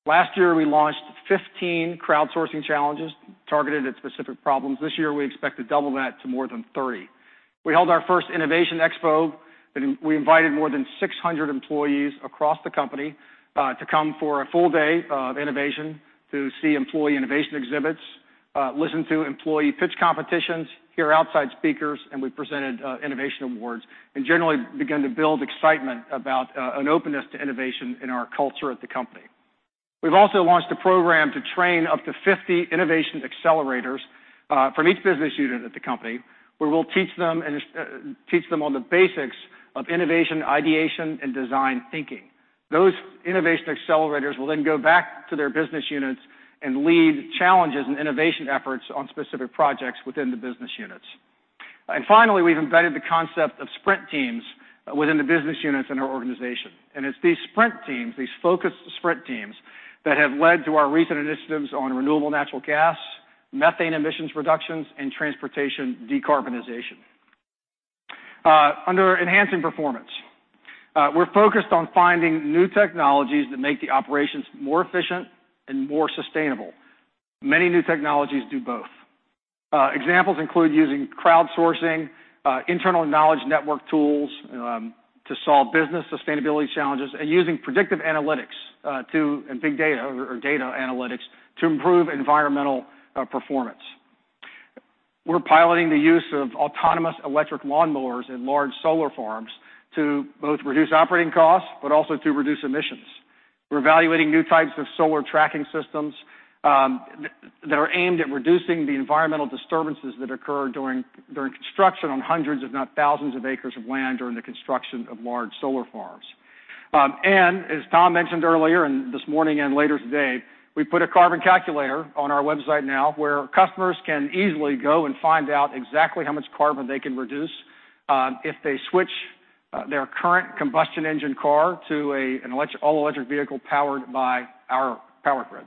Last year, we launched 15 crowdsourcing challenges targeted at specific problems. This year, we expect to double that to more than 30. We held our first innovation expo, and we invited more than 600 employees across the company to come for a full day of innovation to see employee innovation exhibits, listen to employee pitch competitions, hear outside speakers, and we presented innovation awards and generally began to build excitement about an openness to innovation in our culture at the company. We've also launched a program to train up to 50 innovation accelerators from each business unit at the company, where we'll teach them on the basics of innovation, ideation, and design thinking. Those innovation accelerators will then go back to their business units and lead challenges and innovation efforts on specific projects within the business units. Finally, we've embedded the concept of sprint teams within the business units in our organization. It's these sprint teams, these focused sprint teams, that have led to our recent initiatives on renewable natural gas, methane emissions reductions, and transportation decarbonization. Under enhancing performance, we're focused on finding new technologies that make the operations more efficient and more sustainable. Many new technologies do both. Examples include using crowdsourcing, internal knowledge network tools to solve business sustainability challenges, and using predictive analytics and big data or data analytics to improve environmental performance. We're piloting the use of autonomous electric lawnmowers in large solar farms to both reduce operating costs, but also to reduce emissions. We're evaluating new types of solar tracking systems that are aimed at reducing the environmental disturbances that occur during construction on hundreds, if not thousands, of acres of land during the construction of large solar farms. As Tom mentioned earlier and this morning and later today, we put a carbon calculator on our website now where customers can easily go and find out exactly how much carbon they can reduce if they switch their current combustion engine car to an all-electric vehicle powered by our power grid.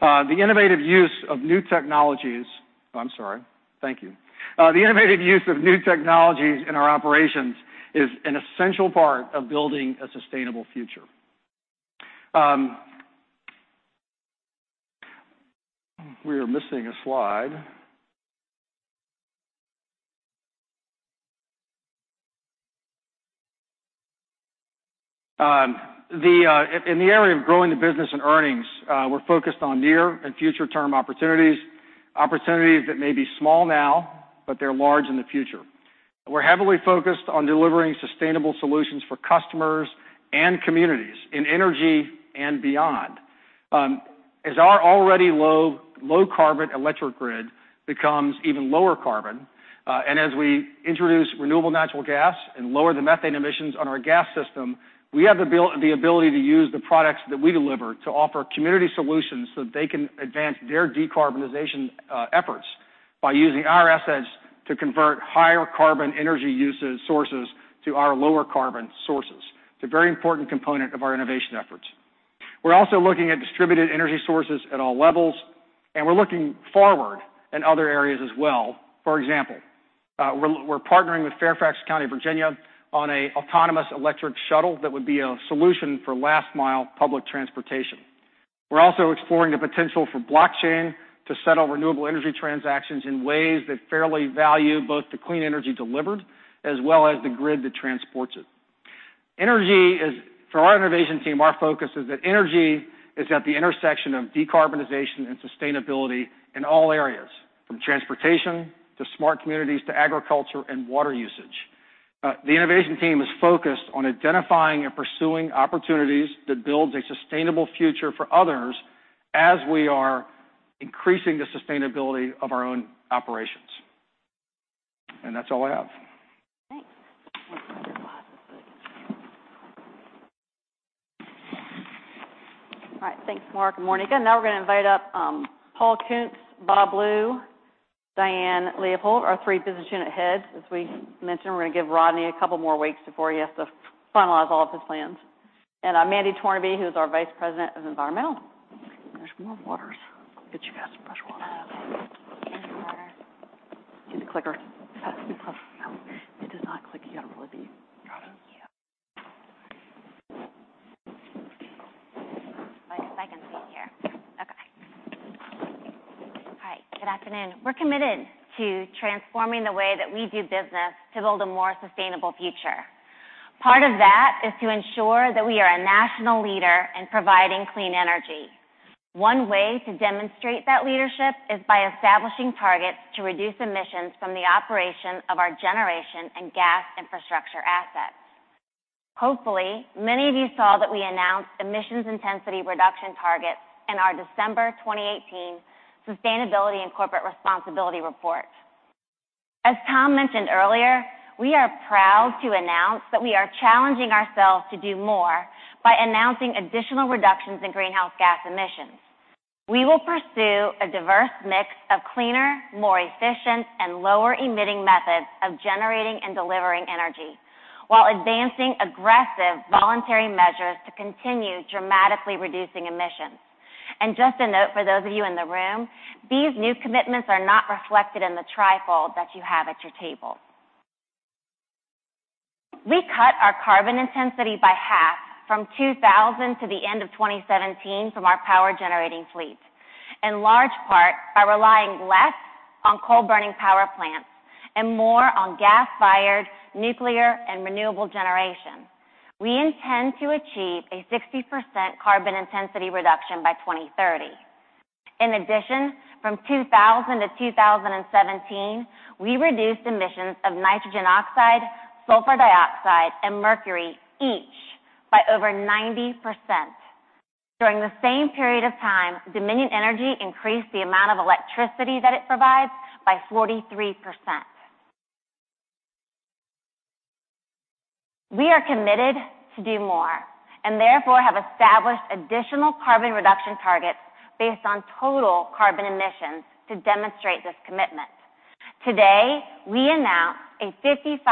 The innovative use of new technologies. Oh, I'm sorry. Thank you. The innovative use of new technologies in our operations is an essential part of building a sustainable future. We are missing a slide. In the area of growing the business and earnings, we're focused on near and future term opportunities that may be small now, but they're large in the future. We're heavily focused on delivering sustainable solutions for customers and communities in energy and beyond. As our already low carbon electric grid becomes even lower carbon, and as we introduce renewable natural gas and lower the methane emissions on our gas system, we have the ability to use the products that we deliver to offer community solutions so that they can advance their decarbonization efforts by using our assets to convert higher carbon energy usage sources to our lower carbon sources. It's a very important component of our innovation efforts. We're also looking at distributed energy sources at all levels. We're looking forward in other areas as well. For example, we're partnering with Fairfax County, Virginia on an autonomous electric shuttle that would be a solution for last-mile public transportation. We're also exploring the potential for blockchain to settle renewable energy transactions in ways that fairly value both the clean energy delivered as well as the grid that transports it. For our innovation team, our focus is that energy is at the intersection of decarbonization and sustainability in all areas, from transportation to smart communities, to agriculture and water usage. The innovation team is focused on identifying and pursuing opportunities that builds a sustainable future for others as we are increasing the sustainability of our own operations. That's all I have. Thanks. All right, thanks, Mark. Good morning again. Now we're going to invite up Paul Koonce, Bob Blue, Diane Leopold, our three business unit heads. As we mentioned, we're going to give Rodney a couple more weeks before he has to finalize all of his plans. Mandy Tornabene, who's our vice president of environmental. There's more waters. Get you guys some fresh water. Okay. Getting water. Get the clicker. It does not click, you got to really be Got it? Yeah. Like a second seat here. Okay. All right, good afternoon. We're committed to transforming the way that we do business to build a more sustainable future. Part of that is to ensure that we are a national leader in providing clean energy. One way to demonstrate that leadership is by establishing targets to reduce emissions from the operation of our generation and gas infrastructure assets. Hopefully, many of you saw that we announced emissions intensity reduction targets in our December 2018 Sustainability and Corporate Responsibility Report. As Tom mentioned earlier, we are proud to announce that we are challenging ourselves to do more by announcing additional reductions in greenhouse gas emissions. We will pursue a diverse mix of cleaner, more efficient, and lower-emitting methods of generating and delivering energy while advancing aggressive voluntary measures to continue dramatically reducing emissions. Just a note for those of you in the room, these new commitments are not reflected in the trifold that you have at your table. We cut our carbon intensity by half from 2000 to the end of 2017 from our power-generating fleet, in large part by relying less on coal-burning power plants and more on gas-fired, nuclear, and renewable generation. We intend to achieve a 60% carbon intensity reduction by 2030. In addition, from 2000 to 2017, we reduced emissions of nitrogen oxide, sulfur dioxide and mercury, each by over 90%. During the same period of time, Dominion Energy increased the amount of electricity that it provides by 43%. We are committed to do more, therefore, have established additional carbon reduction targets based on total carbon emissions to demonstrate this commitment. Today, we announce a 55%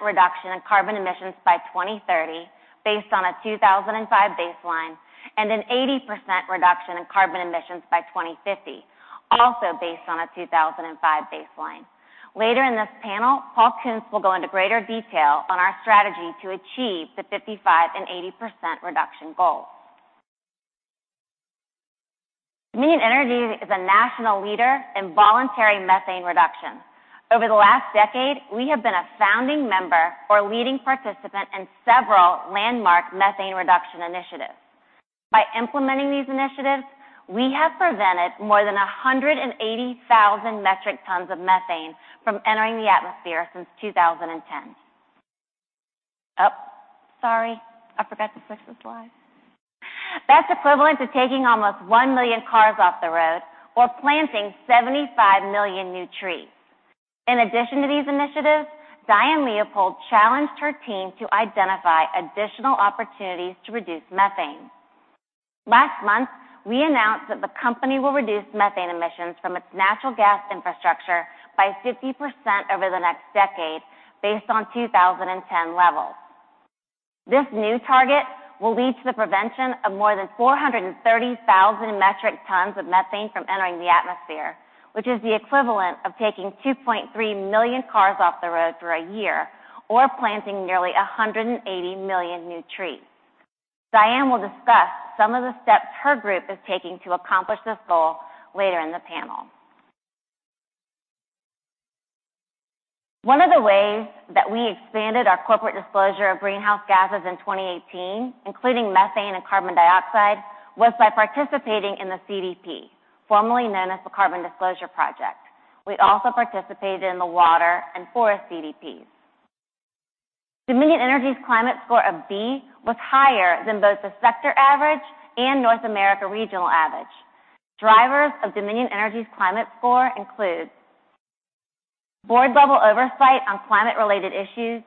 reduction in carbon emissions by 2030, based on a 2005 baseline, and an 80% reduction in carbon emissions by 2050, also based on a 2005 baseline. Later in this panel, Paul Koonce will go into greater detail on our strategy to achieve the 55 and 80% reduction goals. Dominion Energy is a national leader in voluntary methane reduction. Over the last decade, we have been a founding member or leading participant in several landmark methane reduction initiatives. By implementing these initiatives, we have prevented more than 180,000 metric tons of methane from entering the atmosphere since 2010. Oh, sorry. I forgot to switch the slide. That's equivalent to taking almost 1 million cars off the road or planting 75 million new trees. In addition to these initiatives, Diane Leopold challenged her team to identify additional opportunities to reduce methane. Last month, we announced that the company will reduce methane emissions from its natural gas infrastructure by 50% over the next decade based on 2010 levels. This new target will lead to the prevention of more than 430,000 metric tons of methane from entering the atmosphere, which is the equivalent of taking 2.3 million cars off the road for a year or planting nearly 180 million new trees. Diane will discuss some of the steps her group is taking to accomplish this goal later in the panel. One of the ways that we expanded our corporate disclosure of greenhouse gases in 2018, including methane and carbon dioxide, was by participating in the CDP. Formerly known as the Carbon Disclosure Project. We also participated in the Water and Forest CDPs. Dominion Energy's climate score of B was higher than both the sector average and North America regional average. Drivers of Dominion Energy's climate score include board-level oversight on climate-related issues,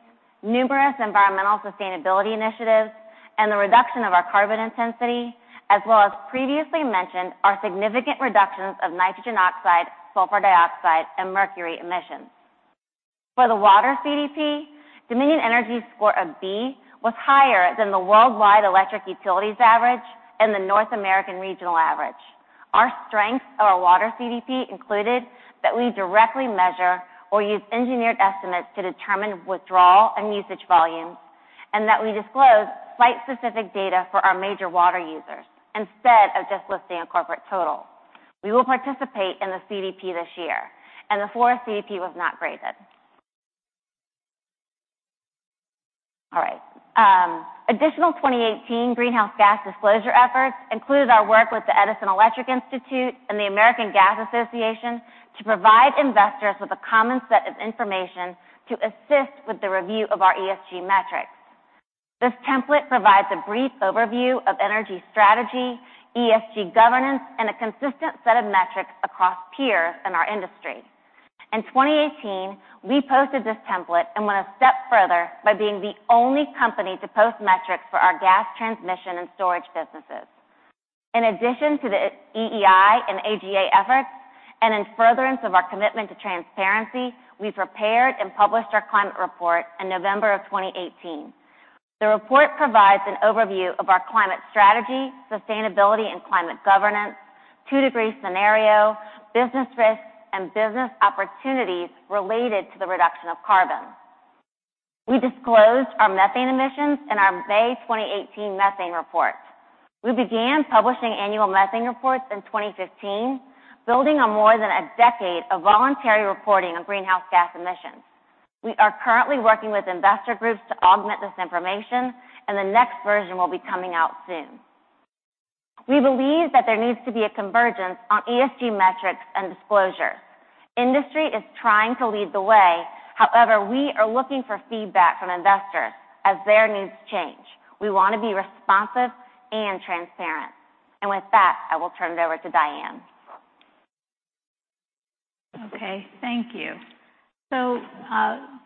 numerous environmental sustainability initiatives, and the reduction of our carbon intensity, as well as previously mentioned, our significant reductions of nitrogen oxide, sulfur dioxide, and mercury emissions. For the Water CDP, Dominion Energy's score of B was higher than the worldwide electric utilities average and the North American regional average. Our strengths of our Water CDP included that we directly measure or use engineered estimates to determine withdrawal and usage volumes, and that we disclose site-specific data for our major water users instead of just listing a corporate total. We will participate in the CDP this year, the Forest CDP was not graded. All right. Additional 2018 greenhouse gas disclosure efforts included our work with the Edison Electric Institute and the American Gas Association to provide investors with a common set of information to assist with the review of our ESG metrics. This template provides a brief overview of energy strategy, ESG governance, and a consistent set of metrics across peers in our industry. In 2018, we posted this template and went a step further by being the only company to post metrics for our gas transmission and storage businesses. In addition to the EEI and AGA efforts, in furtherance of our commitment to transparency, we prepared and published our climate report in November of 2018. The report provides an overview of our climate strategy, sustainability, and climate governance, 2°C scenario, business risks, and business opportunities related to the reduction of carbon. We disclosed our methane emissions in our May 2018 methane report. We began publishing annual methane reports in 2015, building on more than a decade of voluntary reporting of greenhouse gas emissions. We are currently working with investor groups to augment this information, the next version will be coming out soon. We believe that there needs to be a convergence on ESG metrics and disclosures. Industry is trying to lead the way, however, we are looking for feedback from investors as their needs change. We want to be responsive and transparent. With that, I will turn it over to Diane. Okay. Thank you.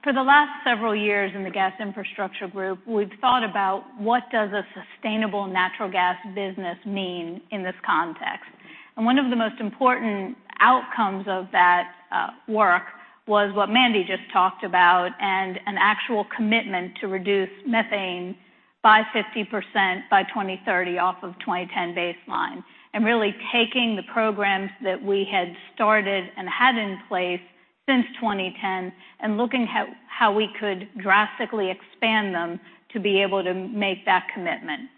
For the last several years in the Gas Infrastructure Group, we've thought about what does a sustainable natural gas business mean in this context. One of the most important outcomes of that work was what Mandy just talked about, an actual commitment to reduce methane by 50% by 2030 off of 2010 baseline, really taking the programs that we had started and had in place since 2010 and looking at how we could drastically expand them to be able to make that commitment.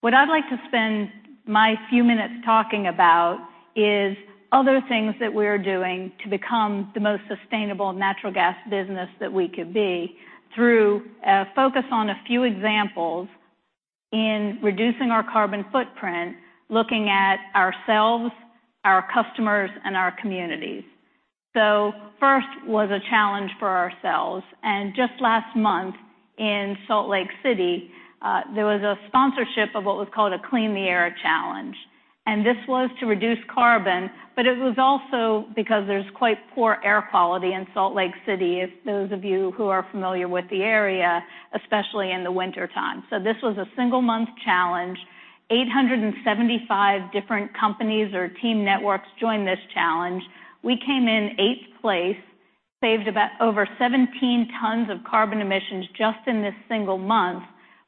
What I'd like to spend my few minutes talking about is other things that we're doing to become the most sustainable natural gas business that we could be through a focus on a few examples in reducing our carbon footprint, looking at ourselves, our customers, and our communities. First was a challenge for ourselves, just last month in Salt Lake City, there was a sponsorship of what was called a Clean the Air Challenge, this was to reduce carbon, it was also because there's quite poor air quality in Salt Lake City, if those of you who are familiar with the area, especially in the wintertime. This was a single-month challenge. 875 different companies or team networks joined this challenge. We came in eighth place, saved about over 17 tons of carbon emissions just in this single month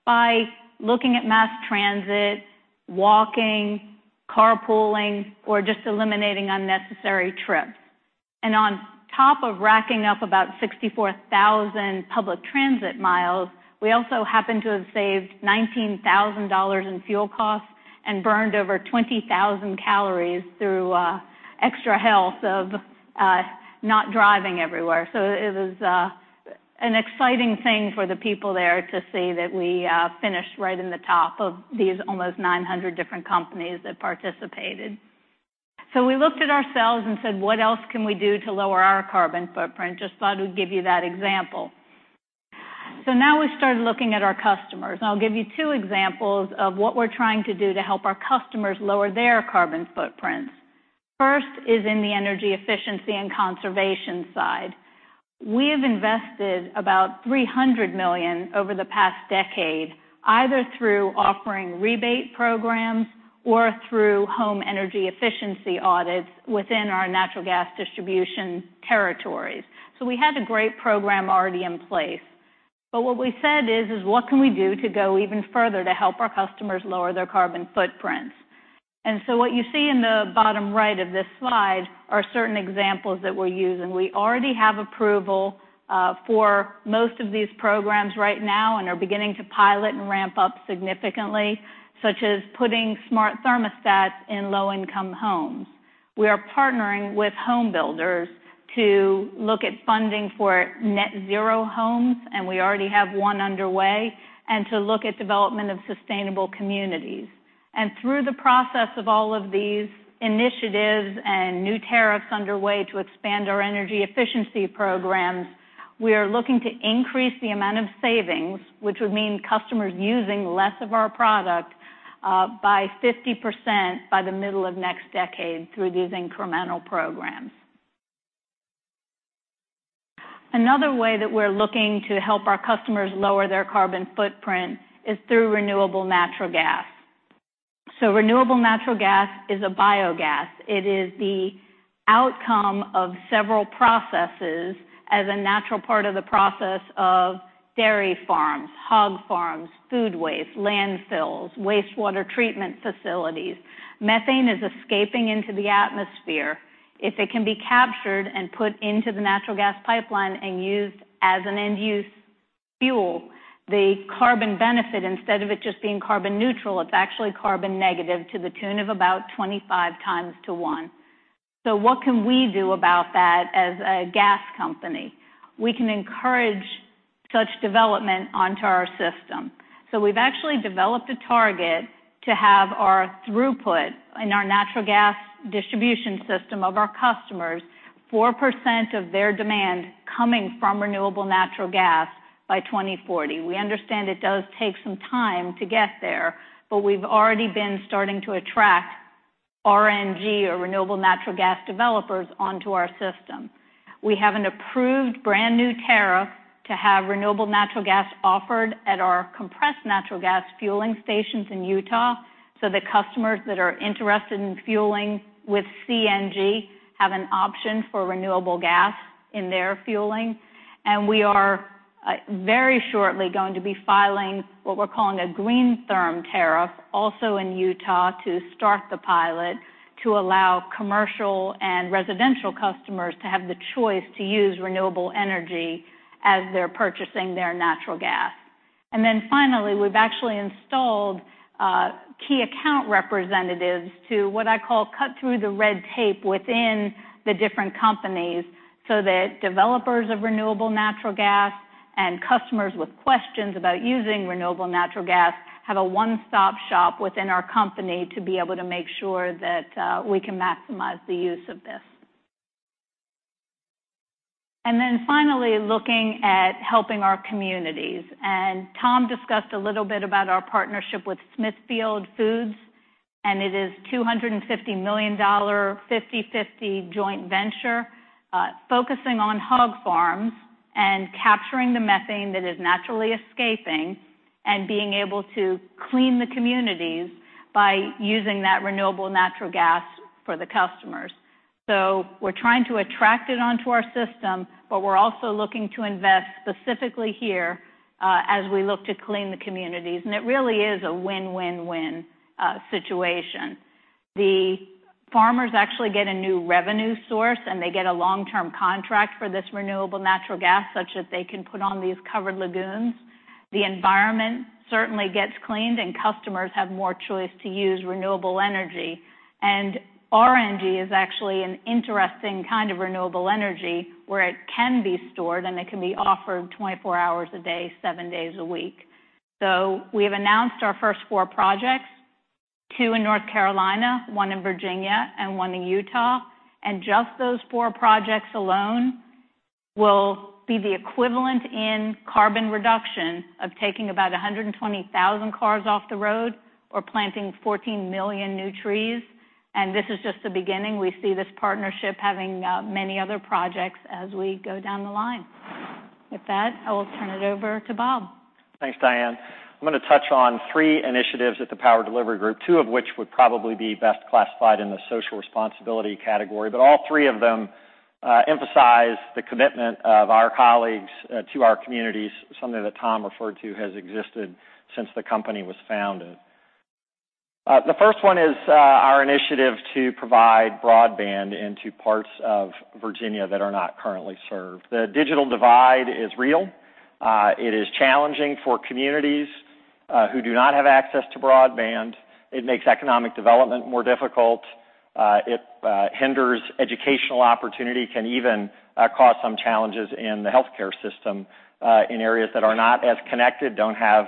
by looking at mass transit, walking, carpooling, or just eliminating unnecessary trips. On top of racking up about 64,000 public transit miles, we also happened to have saved $19,000 in fuel costs and burned over 20,000 calories through extra health of not driving everywhere. It was an exciting thing for the people there to see that we finished right in the top of these almost 900 different companies that participated. We looked at ourselves and said, "What else can we do to lower our carbon footprint?" Just thought we'd give you that example. Now we started looking at our customers, I'll give you two examples of what we're trying to do to help our customers lower their carbon footprint. First is in the energy efficiency and conservation side. We have invested about $300 million over the past decade, either through offering rebate programs or through home energy efficiency audits within our natural gas distribution territories. We had a great program already in place. What we said is, "What can we do to go even further to help our customers lower their carbon footprint?" What you see in the bottom right of this slide are certain examples that we're using. We already have approval for most of these programs right now and are beginning to pilot and ramp up significantly, such as putting smart thermostats in low-income homes. We are partnering with home builders to look at funding for net zero homes, we already have one underway, to look at development of sustainable communities. Through the process of all of these initiatives and new tariffs underway to expand our energy efficiency programs, we are looking to increase the amount of savings, which would mean customers using less of our product, by 50% by the middle of next decade through these incremental programs. Another way that we're looking to help our customers lower their carbon footprint is through renewable natural gas. Renewable natural gas is a biogas. It is the outcome of several processes as a natural part of the process of dairy farms, hog farms, food waste, landfills, wastewater treatment facilities. Methane is escaping into the atmosphere. If it can be captured and put into the natural gas pipeline and used as an end-use fuel, the carbon benefit, instead of it just being carbon neutral, it's actually carbon negative to the tune of about 25 times to one. What can we do about that as a gas company? We can encourage such development onto our system. We've actually developed a target to have our throughput in our natural gas distribution system of our customers, 4% of their demand coming from renewable natural gas by 2040. We understand it does take some time to get there, but we've already been starting to attract RNG or renewable natural gas developers onto our system. We have an approved brand-new tariff to have renewable natural gas offered at our compressed natural gas fueling stations in Utah, so that customers that are interested in fueling with CNG have an option for renewable gas in their fueling. We are very shortly going to be filing what we're calling a GreenTherm tariff, also in Utah, to start the pilot to allow commercial and residential customers to have the choice to use renewable energy as they're purchasing their natural gas. Then finally, we've actually installed key account representatives to, what I call, cut through the red tape within the different companies so that developers of renewable natural gas and customers with questions about using renewable natural gas have a one-stop shop within our company to be able to make sure that we can maximize the use of this. Then finally, looking at helping our communities. Tom discussed a little bit about our partnership with Smithfield Foods, and it is $250 million, 50/50 joint venture focusing on hog farms and capturing the methane that is naturally escaping and being able to clean the communities by using that renewable natural gas for the customers. We're trying to attract it onto our system, but we're also looking to invest specifically here as we look to clean the communities. It really is a win-win-win situation. The farmers actually get a new revenue source, and they get a long-term contract for this renewable natural gas such that they can put on these covered lagoons. The environment certainly gets cleaned, and customers have more choice to use renewable energy. RNG is actually an interesting kind of renewable energy where it can be stored, and it can be offered 24 hours a day, seven days a week. We have announced our first four projects, two in North Carolina, one in Virginia, and one in Utah. Just those four projects alone will be the equivalent in carbon reduction of taking about 120,000 cars off the road or planting 14 million new trees. This is just the beginning. We see this partnership having many other projects as we go down the line. With that, I will turn it over to Bob. Thanks, Diane. I'm going to touch on three initiatives at the Power Delivery Group, two of which would probably be best classified in the social responsibility category. All three of them emphasize the commitment of our colleagues to our communities, something that Tom referred to has existed since the company was founded. The first one is our initiative to provide broadband into parts of Virginia that are not currently served. The digital divide is real. It is challenging for communities who do not have access to broadband. It makes economic development more difficult. It hinders educational opportunity, can even cause some challenges in the healthcare system, in areas that are not as connected, don't have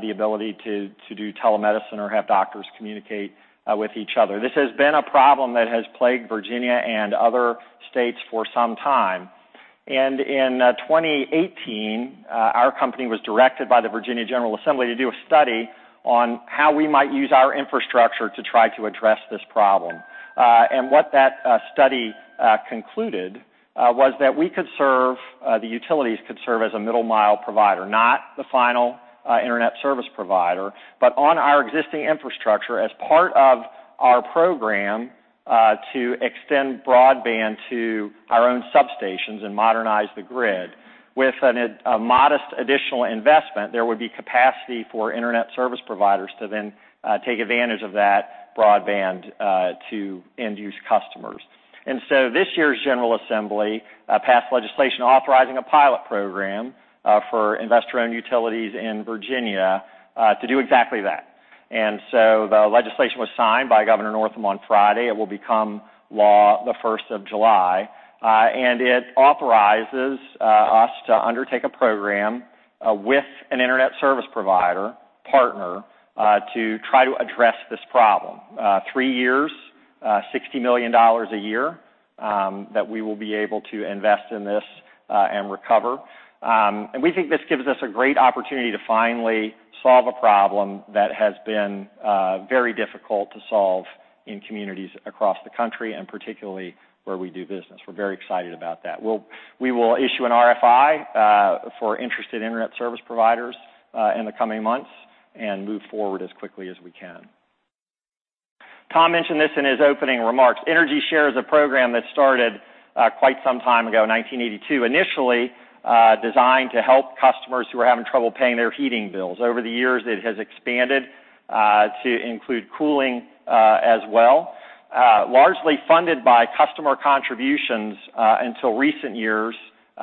the ability to do telemedicine or have doctors communicate with each other. This has been a problem that has plagued Virginia and other states for some time. In 2018, our company was directed by the Virginia General Assembly to do a study on how we might use our infrastructure to try to address this problem. What that study concluded was that we could serve, the utilities could serve as a middle-mile provider, not the final internet service provider, but on our existing infrastructure as part of our program to extend broadband to our own substations and modernize the grid. With a modest additional investment, there would be capacity for internet service providers to then take advantage of that broadband to end-use customers. This year's general assembly passed legislation authorizing a pilot program for investor-owned utilities in Virginia to do exactly that. The legislation was signed by Governor Northam on Friday. It will become law the 1st of July. It authorizes us to undertake a program with an internet service provider partner, to try to address this problem. Three years, $60 million a year, that we will be able to invest in this and recover. We think this gives us a great opportunity to finally solve a problem that has been very difficult to solve in communities across the country, and particularly where we do business. We're very excited about that. We will issue an RFI for interested internet service providers in the coming months and move forward as quickly as we can. Tom mentioned this in his opening remarks. EnergyShare is a program that started quite some time ago, 1982. Initially designed to help customers who were having trouble paying their heating bills. Over the years, it has expanded to include cooling as well. Largely funded by customer contributions until recent years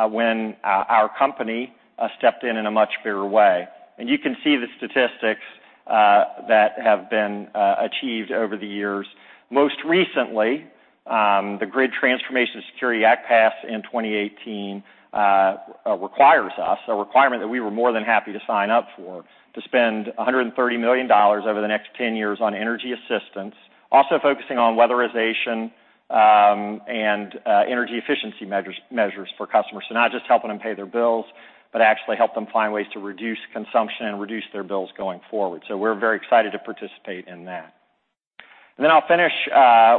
when our company stepped in in a much bigger way. You can see the statistics that have been achieved over the years. Most recently, the Grid Transformation and Security Act passed in 2018, requires us, a requirement that we were more than happy to sign up for, to spend $130 million over the next 10 years on energy assistance, also focusing on weatherization, and energy efficiency measures for customers. Not just helping them pay their bills, but actually help them find ways to reduce consumption and reduce their bills going forward. We're very excited to participate in that. I'll finish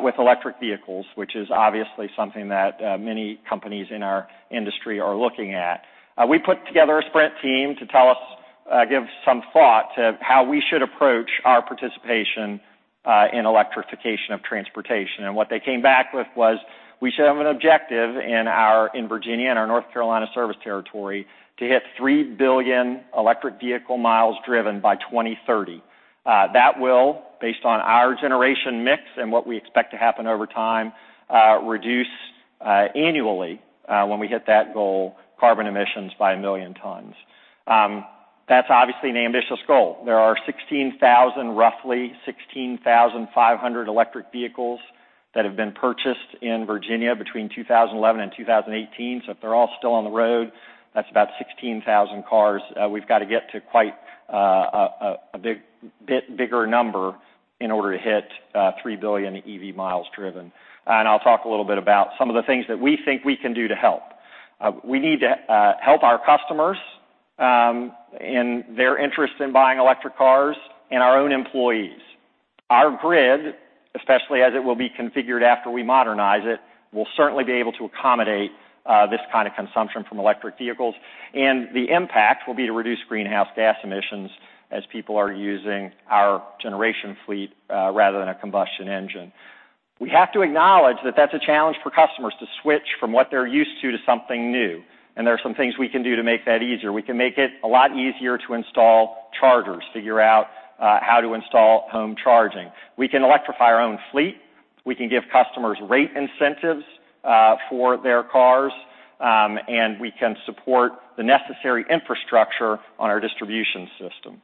with electric vehicles, which is obviously something that many companies in our industry are looking at. We put together a sprint team to give some thought to how we should approach our participation in electrification of transportation. What they came back with was, we should have an objective in Virginia and our North Carolina service territory to hit 3 billion electric vehicle miles driven by 2030. That will, based on our generation mix and what we expect to happen over time, reduce annually, when we hit that goal, carbon emissions by 1 million tons. That's obviously an ambitious goal. There are 16,000, roughly 16,500 electric vehicles that have been purchased in Virginia between 2011 and 2018. So if they're all still on the road, that's about 16,000 cars. We've got to get to quite a bit bigger number in order to hit 3 billion EV miles driven. I'll talk a little bit about some of the things that we think we can do to help. We need to help our customers in their interest in buying electric cars and our own employees. Our grid, especially as it will be configured after we modernize it, will certainly be able to accommodate this kind of consumption from electric vehicles. The impact will be to reduce greenhouse gas emissions as people are using our generation fleet rather than a combustion engine. We have to acknowledge that that's a challenge for customers to switch from what they're used to something new. There are some things we can do to make that easier. We can make it a lot easier to install chargers, figure out how to install home charging. We can electrify our own fleet. We can give customers rate incentives for their cars. We can support the necessary infrastructure on our distribution system.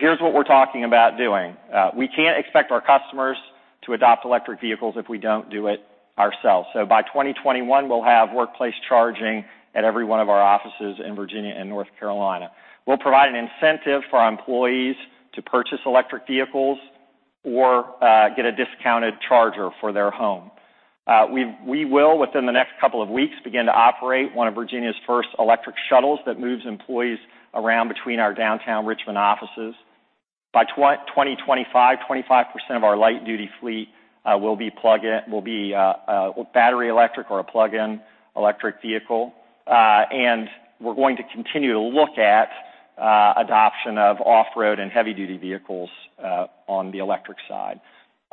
Here's what we're talking about doing. We can't expect our customers to adopt electric vehicles if we don't do it ourselves. By 2021, we'll have workplace charging at every one of our offices in Virginia and North Carolina. We'll provide an incentive for our employees to purchase electric vehicles or get a discounted charger for their home. We will, within the next couple of weeks, begin to operate one of Virginia's first electric shuttles that moves employees around between our downtown Richmond offices. By 2025, 25% of our light duty fleet will be battery electric or a plug-in electric vehicle. We're going to continue to look at adoption of off-road and heavy duty vehicles on the electric side.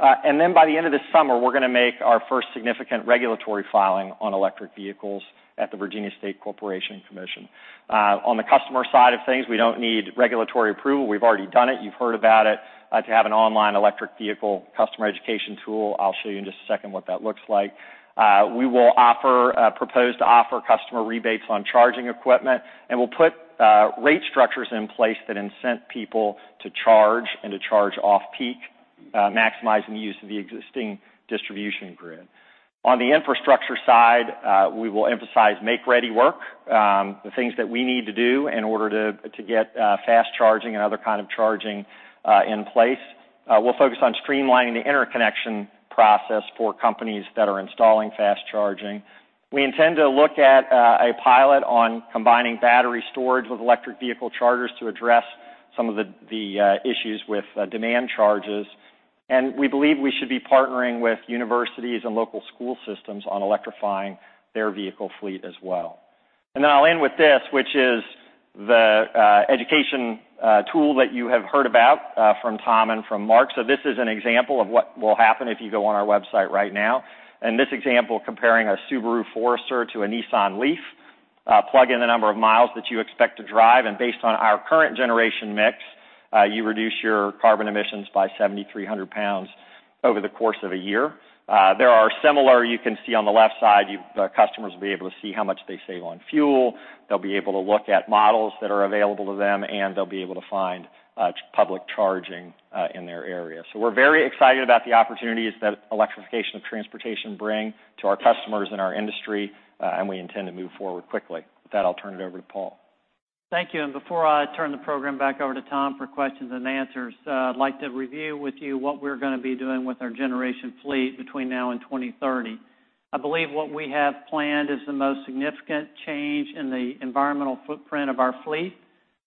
By the end of this summer, we're going to make our first significant regulatory filing on electric vehicles at the Virginia State Corporation Commission. On the customer side of things, we don't need regulatory approval. We've already done it. You've heard about it, to have an online electric vehicle customer education tool. I'll show you in just a second what that looks like. We will propose to offer customer rebates on charging equipment, we'll put rate structures in place that incent people to charge and to charge off peak, maximizing the use of the existing distribution grid. On the infrastructure side, we will emphasize make-ready work. The things that we need to do in order to get fast charging and other kind of charging in place. We'll focus on streamlining the interconnection process for companies that are installing fast charging. We intend to look at a pilot on combining battery storage with electric vehicle chargers to address some of the issues with demand charges. We believe we should be partnering with universities and local school systems on electrifying their vehicle fleet as well. I'll end with this, which is the education tool that you have heard about from Tom and from Mark. This is an example of what will happen if you go on our website right now. In this example, comparing a Subaru Forester to a Nissan LEAF. Plug in the number of miles that you expect to drive, and based on our current generation mix, you reduce your carbon emissions by 7,300 pounds over the course of a year. There are similar, you can see on the left side, customers will be able to see how much they save on fuel. They'll be able to look at models that are available to them, and they'll be able to find public charging in their area. We're very excited about the opportunities that electrification of transportation bring to our customers and our industry, and we intend to move forward quickly. With that, I'll turn it over to Paul. Thank you. Before I turn the program back over to Tom for questions and answers, I'd like to review with you what we're going to be doing with our generation fleet between now and 2030. I believe what we have planned is the most significant change in the environmental footprint of our fleet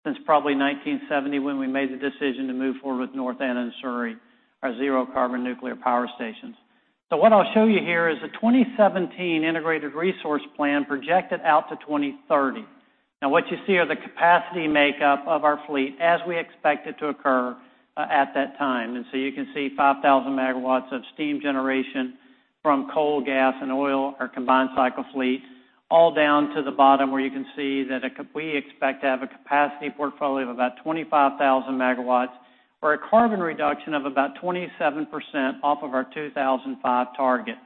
since probably 1970, when we made the decision to move forward with North Anna and Surry, our zero-carbon nuclear power stations. What I'll show you here is a 2017 integrated resource plan projected out to 2030. What you see are the capacity makeup of our fleet as we expect it to occur at that time. You can see 5,000 megawatts of steam generation from coal, gas, and oil, our combined cycle fleet, all down to the bottom where you can see that we expect to have a capacity portfolio of about 25,000 megawatts or a carbon reduction of about 27% off of our 2005 target.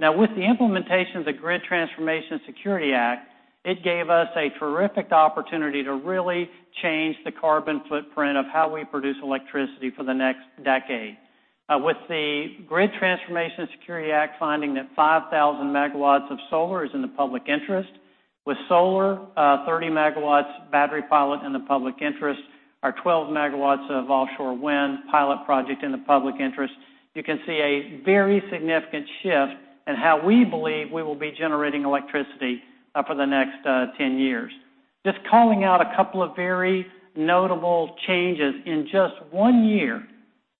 With the implementation of the Grid Transformation and Security Act, it gave us a terrific opportunity to really change the carbon footprint of how we produce electricity for the next decade. With the Grid Transformation and Security Act finding that 5,000 megawatts of solar is in the public interest, with solar, 30 megawatts battery pilot in the public interest, our 12 megawatts of offshore wind pilot project in the public interest, you can see a very significant shift in how we believe we will be generating electricity for the next 10 years. Just calling out a couple of very notable changes in just one year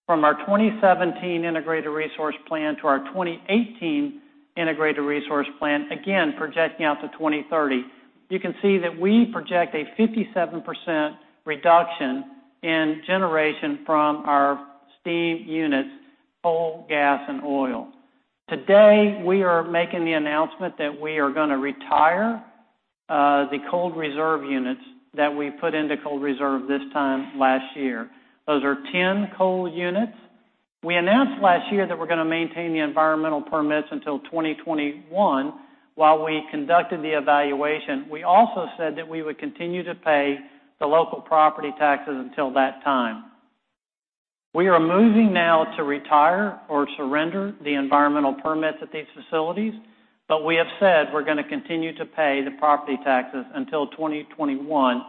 from our 2017 integrated resource plan to our 2018 integrated resource plan, again, projecting out to 2030. You can see that we project a 57% reduction in generation from our steam units, coal, gas, and oil. Today, we are making the announcement that we are going to retire the cold reserve units that we put into cold reserve this time last year. Those are 10 coal units. We announced last year that we're going to maintain the environmental permits until 2021 while we conducted the evaluation. We also said that we would continue to pay the local property taxes until that time. We are moving now to retire or surrender the environmental permits at these facilities, but we have said we're going to continue to pay the property taxes until 2021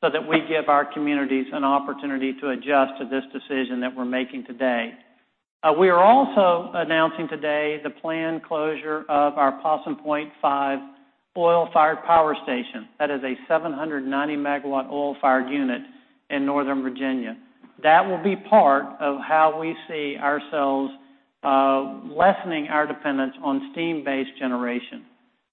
so that we give our communities an opportunity to adjust to this decision that we're making today. We are also announcing today the planned closure of our Possum Point 5 oil-fired power station. That is a 790-megawatt oil-fired unit in Northern Virginia. That will be part of how we see ourselves lessening our dependence on steam-based generation.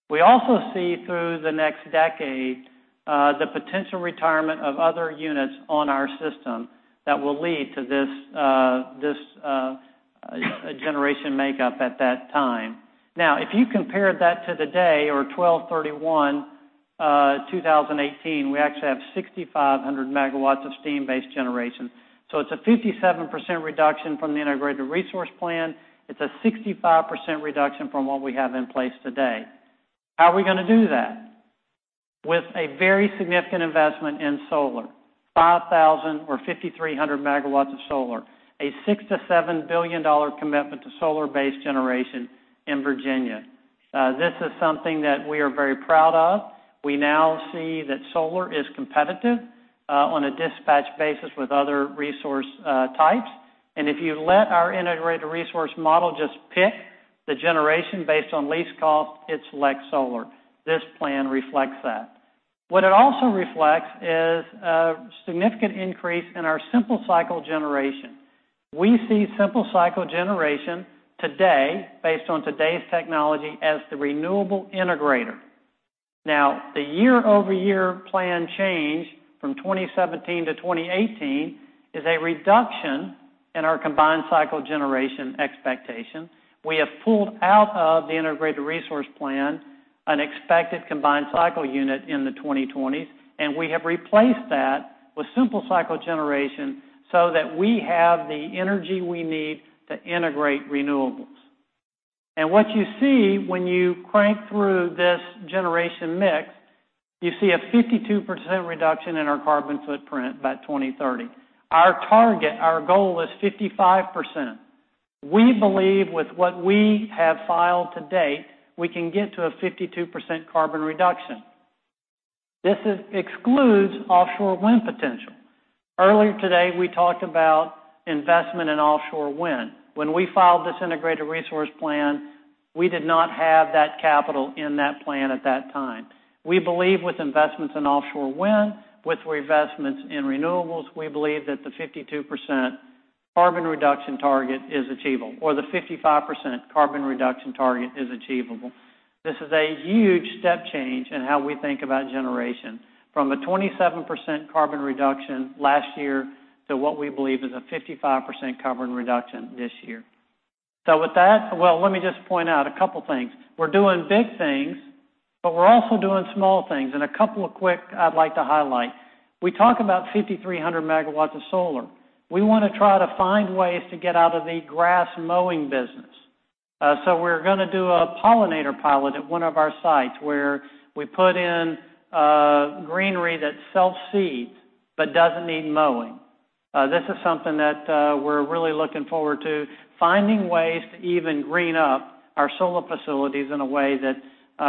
We also see through the next decade the potential retirement of other units on our system that will lead to this generation makeup at that time. If you compared that to today or 12/31/2018, we actually have 6,500 megawatts of steam-based generation. It's a 57% reduction from the integrated resource plan. It's a 65% reduction from what we have in place today. How are we going to do that? With a very significant investment in solar, 5,000 or 5,300 megawatts of solar, a $6 billion-$7 billion commitment to solar-based generation in Virginia. This is something that we are very proud of. We now see that solar is competitive on a dispatch basis with other resource types. If you let our integrated resource model just pick the generation based on least cost, it selects solar. This plan reflects that. What it also reflects is a significant increase in our simple cycle generation. We see simple cycle generation today based on today's technology as the renewable integrator. The year-over-year plan change from 2017 to 2018 is a reduction in our combined cycle generation expectation. We have pulled out of the integrated resource plan an expected combined cycle unit in the 2020s, and we have replaced that with simple cycle generation so that we have the energy we need to integrate renewables. What you see when you crank through this generation mix, you see a 52% reduction in our carbon footprint by 2030. Our target, our goal is 55%. We believe with what we have filed to date, we can get to a 52% carbon reduction. This excludes offshore wind potential. Earlier today, we talked about investment in offshore wind. When we filed this integrated resource plan, we did not have that capital in that plan at that time. We believe with investments in offshore wind, with investments in renewables, we believe that the 52% carbon reduction target is achievable, or the 55% carbon reduction target is achievable. This is a huge step change in how we think about generation from a 27% carbon reduction last year to what we believe is a 55% carbon reduction this year. Well, let me just point out a couple things. We're doing big things, but we're also doing small things, and a couple of quick I'd like to highlight. We talk about 5,300 megawatts of solar. We want to try to find ways to get out of the grass mowing business. We're going to do a pollinator pilot at one of our sites, where we put in greenery that self-seeds but doesn't need mowing. This is something that we're really looking forward to, finding ways to even green up our solar facilities in a way that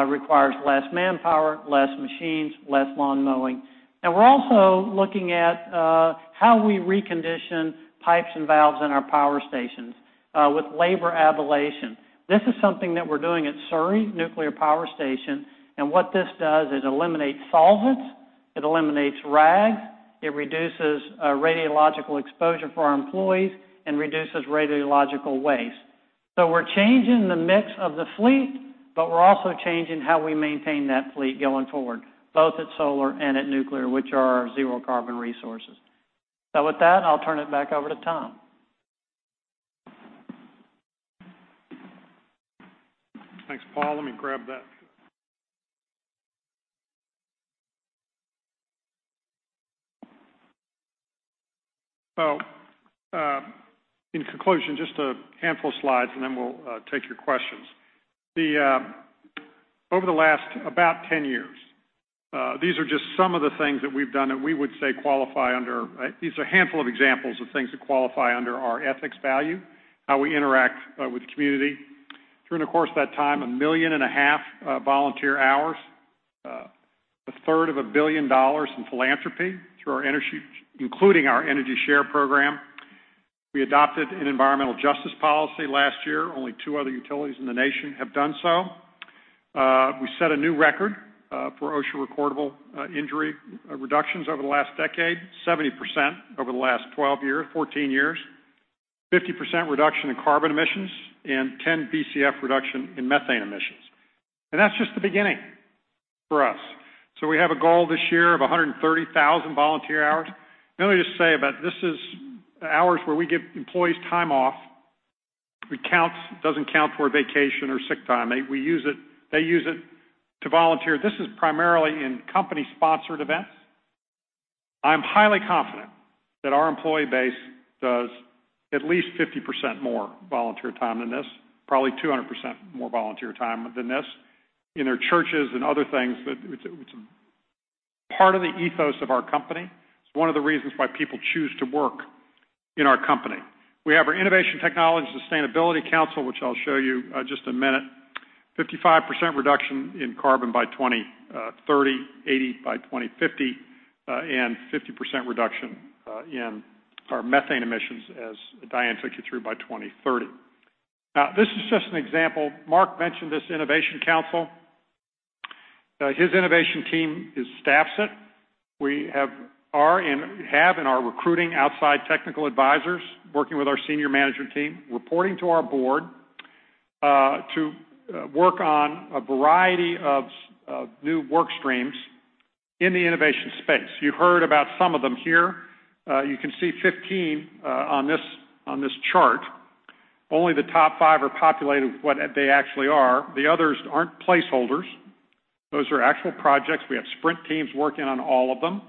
requires less manpower, less machines, less lawn mowing. We're also looking at how we recondition pipes and valves in our power stations with laser ablation. This is something that we're doing at Surry Nuclear Power Station, and what this does is eliminate solvents, it eliminates rags, it reduces radiological exposure for our employees, and reduces radiological waste. We're changing the mix of the fleet, but we're also changing how we maintain that fleet going forward, both at solar and at nuclear, which are zero carbon resources. With that, I'll turn it back over to Tom. Thanks, Paul. Let me grab that. In conclusion, just a handful of slides and then we'll take your questions. Over the last about 10 years, these are just some of the things that we've done that we would say These are a handful of examples of things that qualify under our ethics value, how we interact with community. During the course of that time, a million and a half volunteer hours, a third of a billion dollars in philanthropy, including our EnergyShare program. We adopted an environmental justice policy last year. Only two other utilities in the nation have done so. We set a new record for OSHA recordable injury reductions over the last decade, 70% over the last 14 years. 50% reduction in carbon emissions and 10 BCF reduction in methane emissions. That's just the beginning for us. We have a goal this year of 130,000 volunteer hours. Let me just say, this is hours where we give employees time off. It doesn't count toward vacation or sick time. They use it to volunteer. This is primarily in company-sponsored events. I'm highly confident that our employee base does at least 50% more volunteer time than this, probably 200% more volunteer time than this, in their churches and other things. It's part of the ethos of our company. It's one of the reasons why people choose to work in our company. We have our Innovation, Technology, and Sustainability Council, which I'll show you just a minute. 55% reduction in carbon by 2030, 80% by 2050, and 50% reduction in our methane emissions, as Diane took you through, by 2030. This is just an example. Mark mentioned this innovation council. His innovation team staffs it. We have and are recruiting outside technical advisors, working with our senior management team, reporting to our board, to work on a variety of new work streams in the innovation space. You heard about some of them here. You can see 15 on this chart. Only the top five are populated with what they actually are. The others aren't placeholders. Those are actual projects. We have sprint teams working on all of them.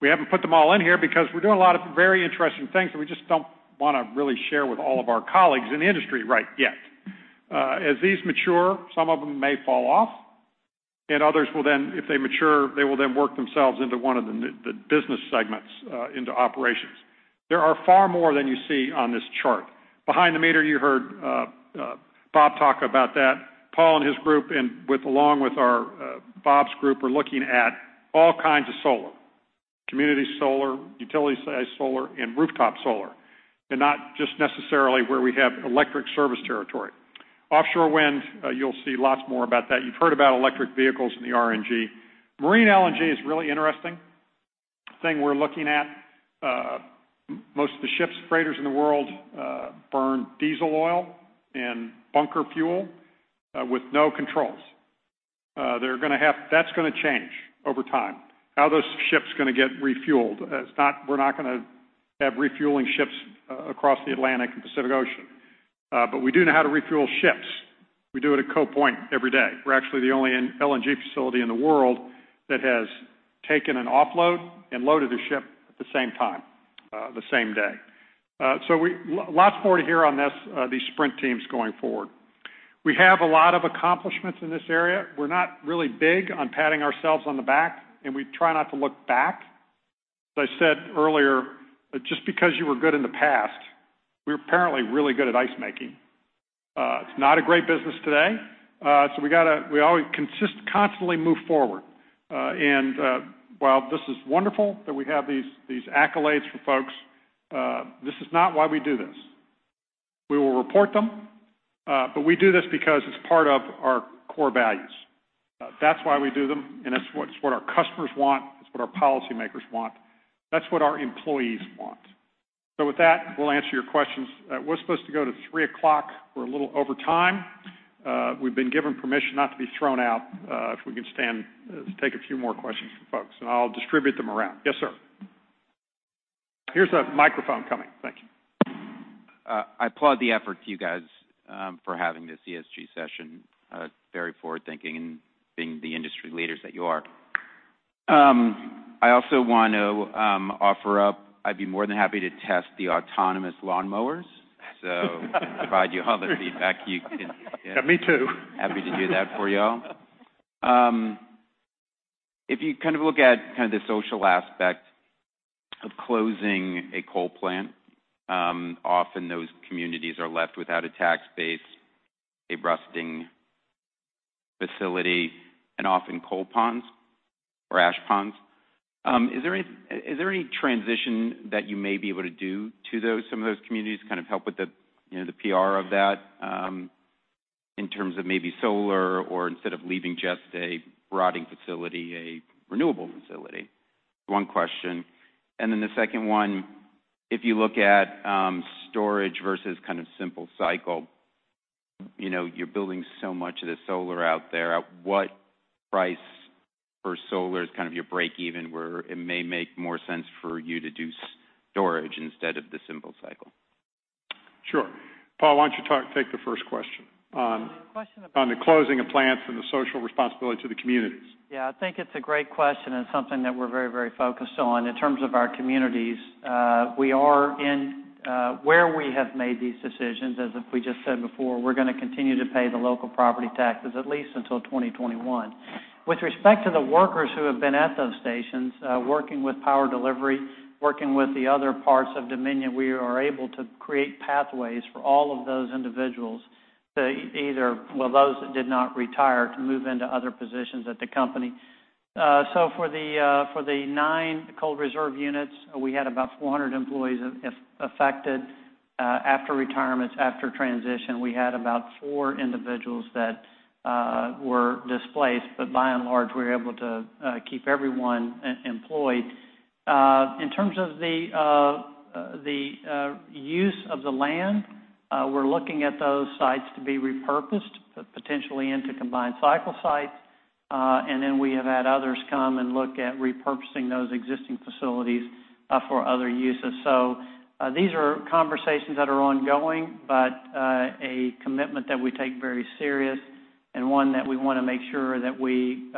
We haven't put them all in here because we're doing a lot of very interesting things that we just don't want to really share with all of our colleagues in the industry right yet. As these mature, some of them may fall off, and others will then, if they mature, they will then work themselves into one of the business segments into operations. There are far more than you see on this chart. Behind the meter, you heard Bob talk about that. Paul and his group, along with Bob's group, are looking at all kinds of solar: community solar, utility-size solar, and rooftop solar. Not just necessarily where we have electric service territory. Offshore wind, you'll see lots more about that. You've heard about electric vehicles and the RNG. Marine LNG is a really interesting thing we're looking at. Most of the ships, freighters in the world, burn diesel oil and bunker fuel with no controls. That's going to change over time, how those ships are going to get refueled. We're not going to have refueling ships across the Atlantic and Pacific Ocean. We do know how to refuel ships. We do it at Cove Point every day. We're actually the only LNG facility in the world that has taken an offload and loaded a ship at the same time, the same day. Lots more to hear on these sprint teams going forward. We have a lot of accomplishments in this area. We're not really big on patting ourselves on the back, and we try not to look back. As I said earlier, just because you were good in the past, we were apparently really good at ice making. It's not a great business today, so we got to constantly move forward. While this is wonderful that we have these accolades for folks, this is not why we do this. We will report them, but we do this because it's part of our core values. That's why we do them, and it's what our customers want, it's what our policymakers want, that's what our employees want. With that, we'll answer your questions. We're supposed to go to 3:00. We're a little over time. We've been given permission not to be thrown out, if we can stand to take a few more questions from folks, and I'll distribute them around. Yes, sir. Here's a microphone coming. Thank you. I applaud the effort to you guys for having this ESG session, very forward-thinking in being the industry leaders that you are. I also want to offer up, I'd be more than happy to test the autonomous lawnmowers. Provide you all the feedback you can. Yeah, me too. Happy to do that for y'all. If you look at the social aspect of closing a coal plant, often those communities are left without a tax base, a rusting facility, and often coal ponds or ash ponds. Is there any transition that you may be able to do to some of those communities, kind of help with the PR of that, in terms of maybe solar or instead of leaving just a rotting facility, a renewable facility? One question. If you look at storage versus simple cycle, you're building so much of the solar out there. At what price for solar is your break even, where it may make more sense for you to do storage instead of the simple cycle? Sure. Paul, why don't you take the first question? The question about On the closing of plants and the social responsibility to the communities. Yeah, I think it's a great question and something that we're very focused on in terms of our communities. Where we have made these decisions, as we just said before, we're going to continue to pay the local property taxes at least until 2021. With respect to the workers who have been at those stations, working with Power Delivery, working with the other parts of Dominion, we are able to create pathways for all of those individuals, well, those that did not retire, to move into other positions at the company. For the nine coal reserve units, we had about 400 employees affected. After retirements, after transition, we had about four individuals that were displaced. By and large, we were able to keep everyone employed. In terms of the use of the land, we're looking at those sites to be repurposed, potentially into combined cycle sites. We have had others come and look at repurposing those existing facilities for other uses. These are conversations that are ongoing, but a commitment that we take very serious and one that we want to make sure that we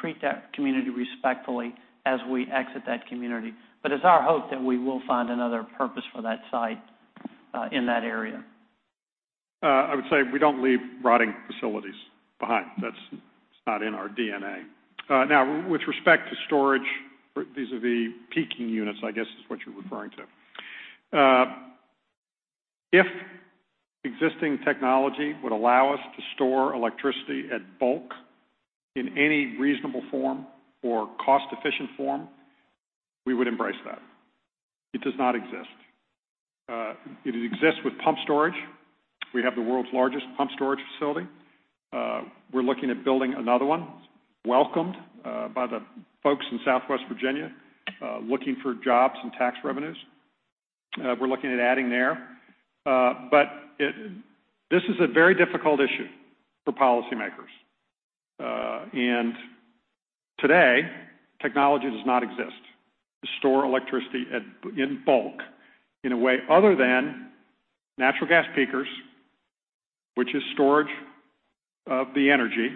treat that community respectfully as we exit that community. It's our hope that we will find another purpose for that site in that area. I would say we don't leave rotting facilities behind. That's not in our DNA. With respect to storage, these are the peaking units, I guess is what you're referring to. If existing technology would allow us to store electricity at bulk in any reasonable form or cost-efficient form, we would embrace that. It does not exist. It exists with pump storage. We have the world's largest pump storage facility. We're looking at building another one, welcomed by the folks in Southwest Virginia, looking for jobs and tax revenues. We're looking at adding there. This is a very difficult issue for policymakers. Today, technology does not exist to store electricity in bulk in a way other than natural gas peakers, which is storage of the energy,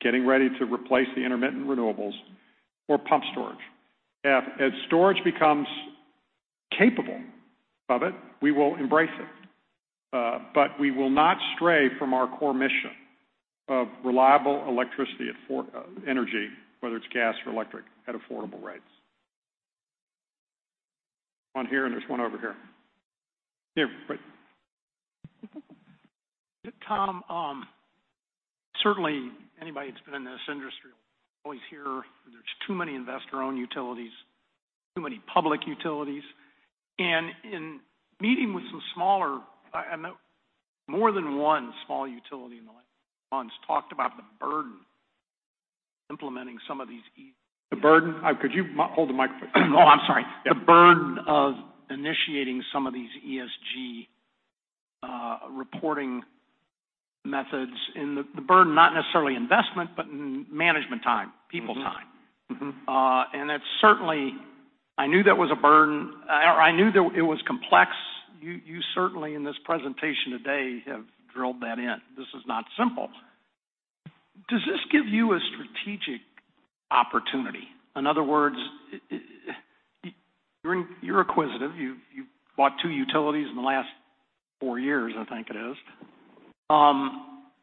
getting ready to replace the intermittent renewables or pump storage. As storage becomes capable of it, we will embrace it. We will not stray from our core mission of reliable electricity, energy, whether it's gas or electric, at affordable rates. One here, there's one over here. Here. Tom, certainly anybody that's been in this industry will always hear there's too many investor-owned utilities, too many public utilities, in meeting with some smaller I know more than one small utility in the last few months talked about the burden implementing some of these E- The burden? Could you hold the microphone? Oh, I'm sorry. Yeah. The burden of initiating some of these ESG reporting methods, the burden not necessarily investment, but in management time, people time. It's certainly, I knew that was a burden, or I knew that it was complex. You certainly, in this presentation today, have drilled that in. This is not simple. Does this give you a strategic opportunity? In other words, you're acquisitive. You've bought 2 utilities in the last 4 years, I think it is.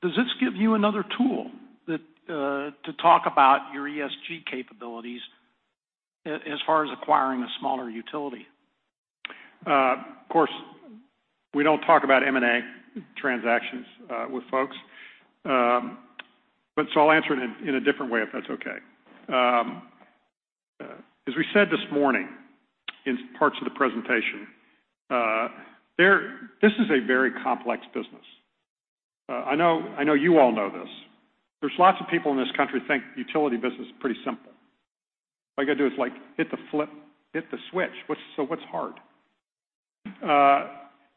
Does this give you another tool to talk about your ESG capabilities as far as acquiring a smaller utility? Of course, we don't talk about M&A transactions with folks. I'll answer it in a different way if that's okay. As we said this morning in parts of the presentation, this is a very complex business. I know you all know this. There's lots of people in this country think utility business is pretty simple. All you got to do is hit the flip, hit the switch. What's hard?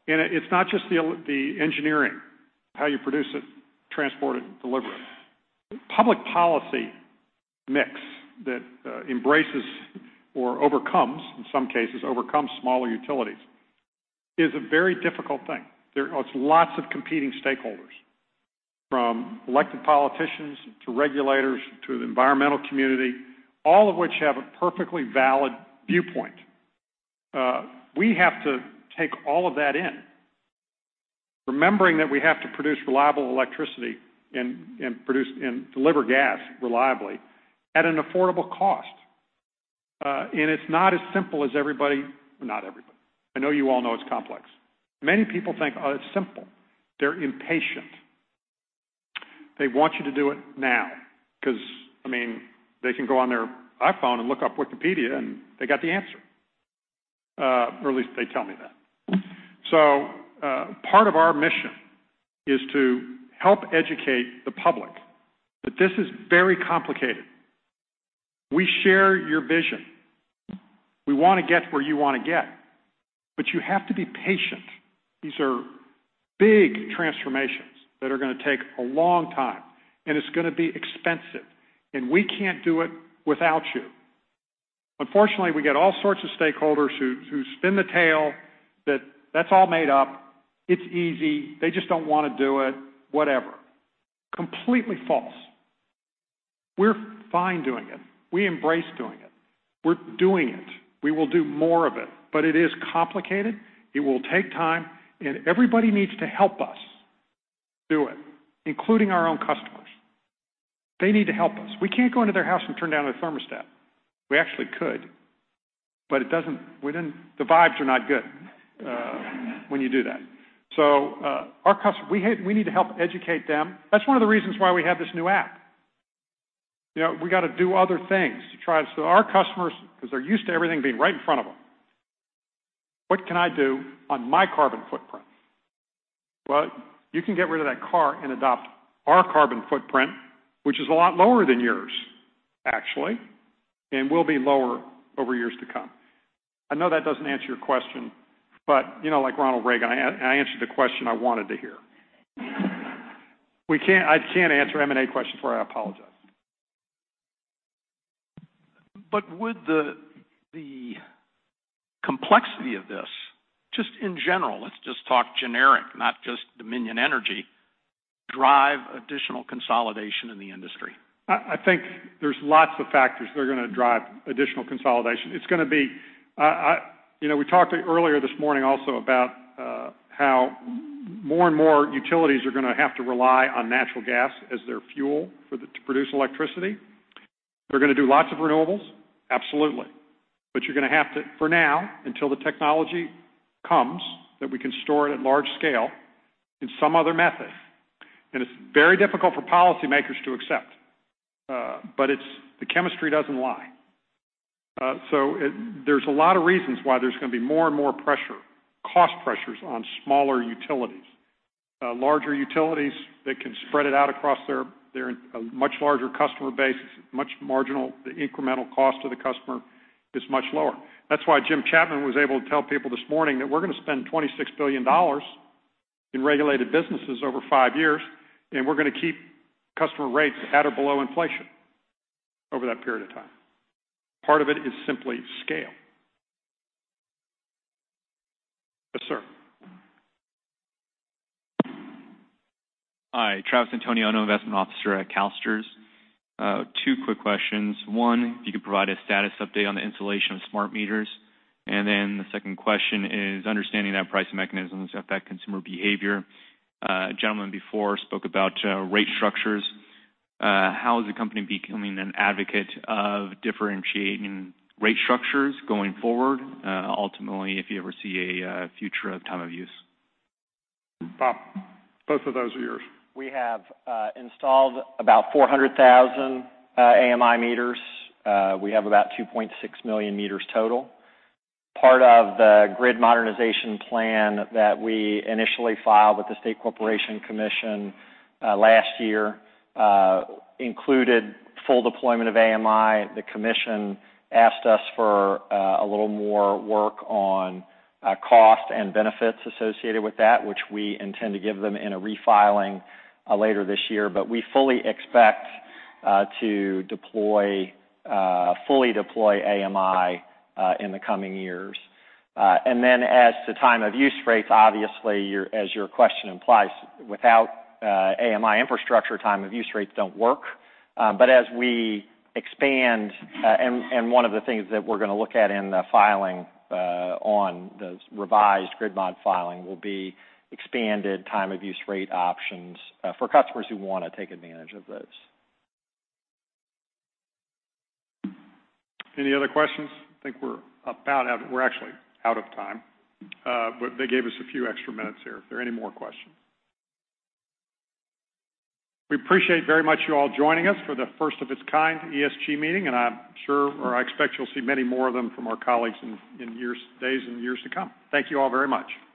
It's not just the engineering of how you produce it, transport it, deliver it. Public policy mix that embraces or, in some cases, overcomes smaller utilities is a very difficult thing. There are lots of competing stakeholders, from elected politicians to regulators to the environmental community, all of which have a perfectly valid viewpoint. We have to take all of that in, remembering that we have to produce reliable electricity and deliver gas reliably at an affordable cost. It's not as simple as Not everybody. I know you all know it's complex. Many people think, "Oh, it's simple." They're impatient. They want you to do it now, because they can go on their iPhone and look up Wikipedia, and they got the answer. At least they tell me that. Part of our mission is to help educate the public that this is very complicated. We share your vision. We want to get where you want to get, but you have to be patient. These are big transformations that are going to take a long time, and it's going to be expensive, and we can't do it without you. Unfortunately, we get all sorts of stakeholders who spin the tale that, "That's all made up. It's easy. They just don't want to do it," whatever. Completely false. We're fine doing it. We embrace doing it. We're doing it. We will do more of it. It is complicated, it will take time, and everybody needs to help us do it, including our own customers. They need to help us. We can't go into their house and turn down their thermostat. We actually could, but the vibes are not good when you do that. We need to help educate them. That's one of the reasons why we have this new app. We got to do other things. Our customers, because they're used to everything being right in front of them, what can I do on my carbon footprint? You can get rid of that car and adopt our carbon footprint, which is a lot lower than yours, actually, and will be lower over years to come. I know that doesn't answer your question, like Ronald Reagan, I answered the question I wanted to hear. I can't answer M&A questions for you, I apologize. Would the complexity of this, just in general, let's just talk generic, not just Dominion Energy, drive additional consolidation in the industry? I think there's lots of factors that are going to drive additional consolidation. We talked earlier this morning also about how more and more utilities are going to have to rely on natural gas as their fuel to produce electricity. They're going to do lots of renewables, absolutely. For now, until the technology comes that we can store it at large scale in some other method, and it's very difficult for policymakers to accept, but the chemistry doesn't lie. There's a lot of reasons why there's going to be more and more pressure, cost pressures, on smaller utilities. Larger utilities that can spread it out across their much larger customer base, the incremental cost to the customer is much lower. That's why Jim Chapman was able to tell people this morning that we're going to spend $26 billion in regulated businesses over five years, and we're going to keep customer rates at or below inflation over that period of time. Part of it is simply scale. Yes, sir. Hi. Travis Antoniono, an investment officer at CalSTRS. Two quick questions. One, if you could provide a status update on the installation of smart meters. Then the second question is, understanding that pricing mechanisms affect consumer behavior, a gentleman before spoke about rate structures. How is the company becoming an advocate of differentiating rate structures going forward? Ultimately, if you ever see a future of time of use. Bob, both of those are yours. We have installed about 400,000 AMI meters. We have about 2.6 million meters total. Part of the grid modernization plan that we initially filed with the State Corporation Commission last year included full deployment of AMI. The commission asked us for a little more work on cost and benefits associated with that, which we intend to give them in a refiling later this year. We fully expect to fully deploy AMI in the coming years. As to time of use rates, obviously, as your question implies, without AMI infrastructure, time of use rates don't work. As we expand, and one of the things that we're going to look at in the filing on the revised grid mod filing will be expanded time of use rate options for customers who want to take advantage of those. Any other questions? I think we're actually out of time. They gave us a few extra minutes here, if there are any more questions. We appreciate very much you all joining us for the first of its kind ESG meeting, and I'm sure, or I expect you'll see many more of them from our colleagues in days and years to come. Thank you all very much.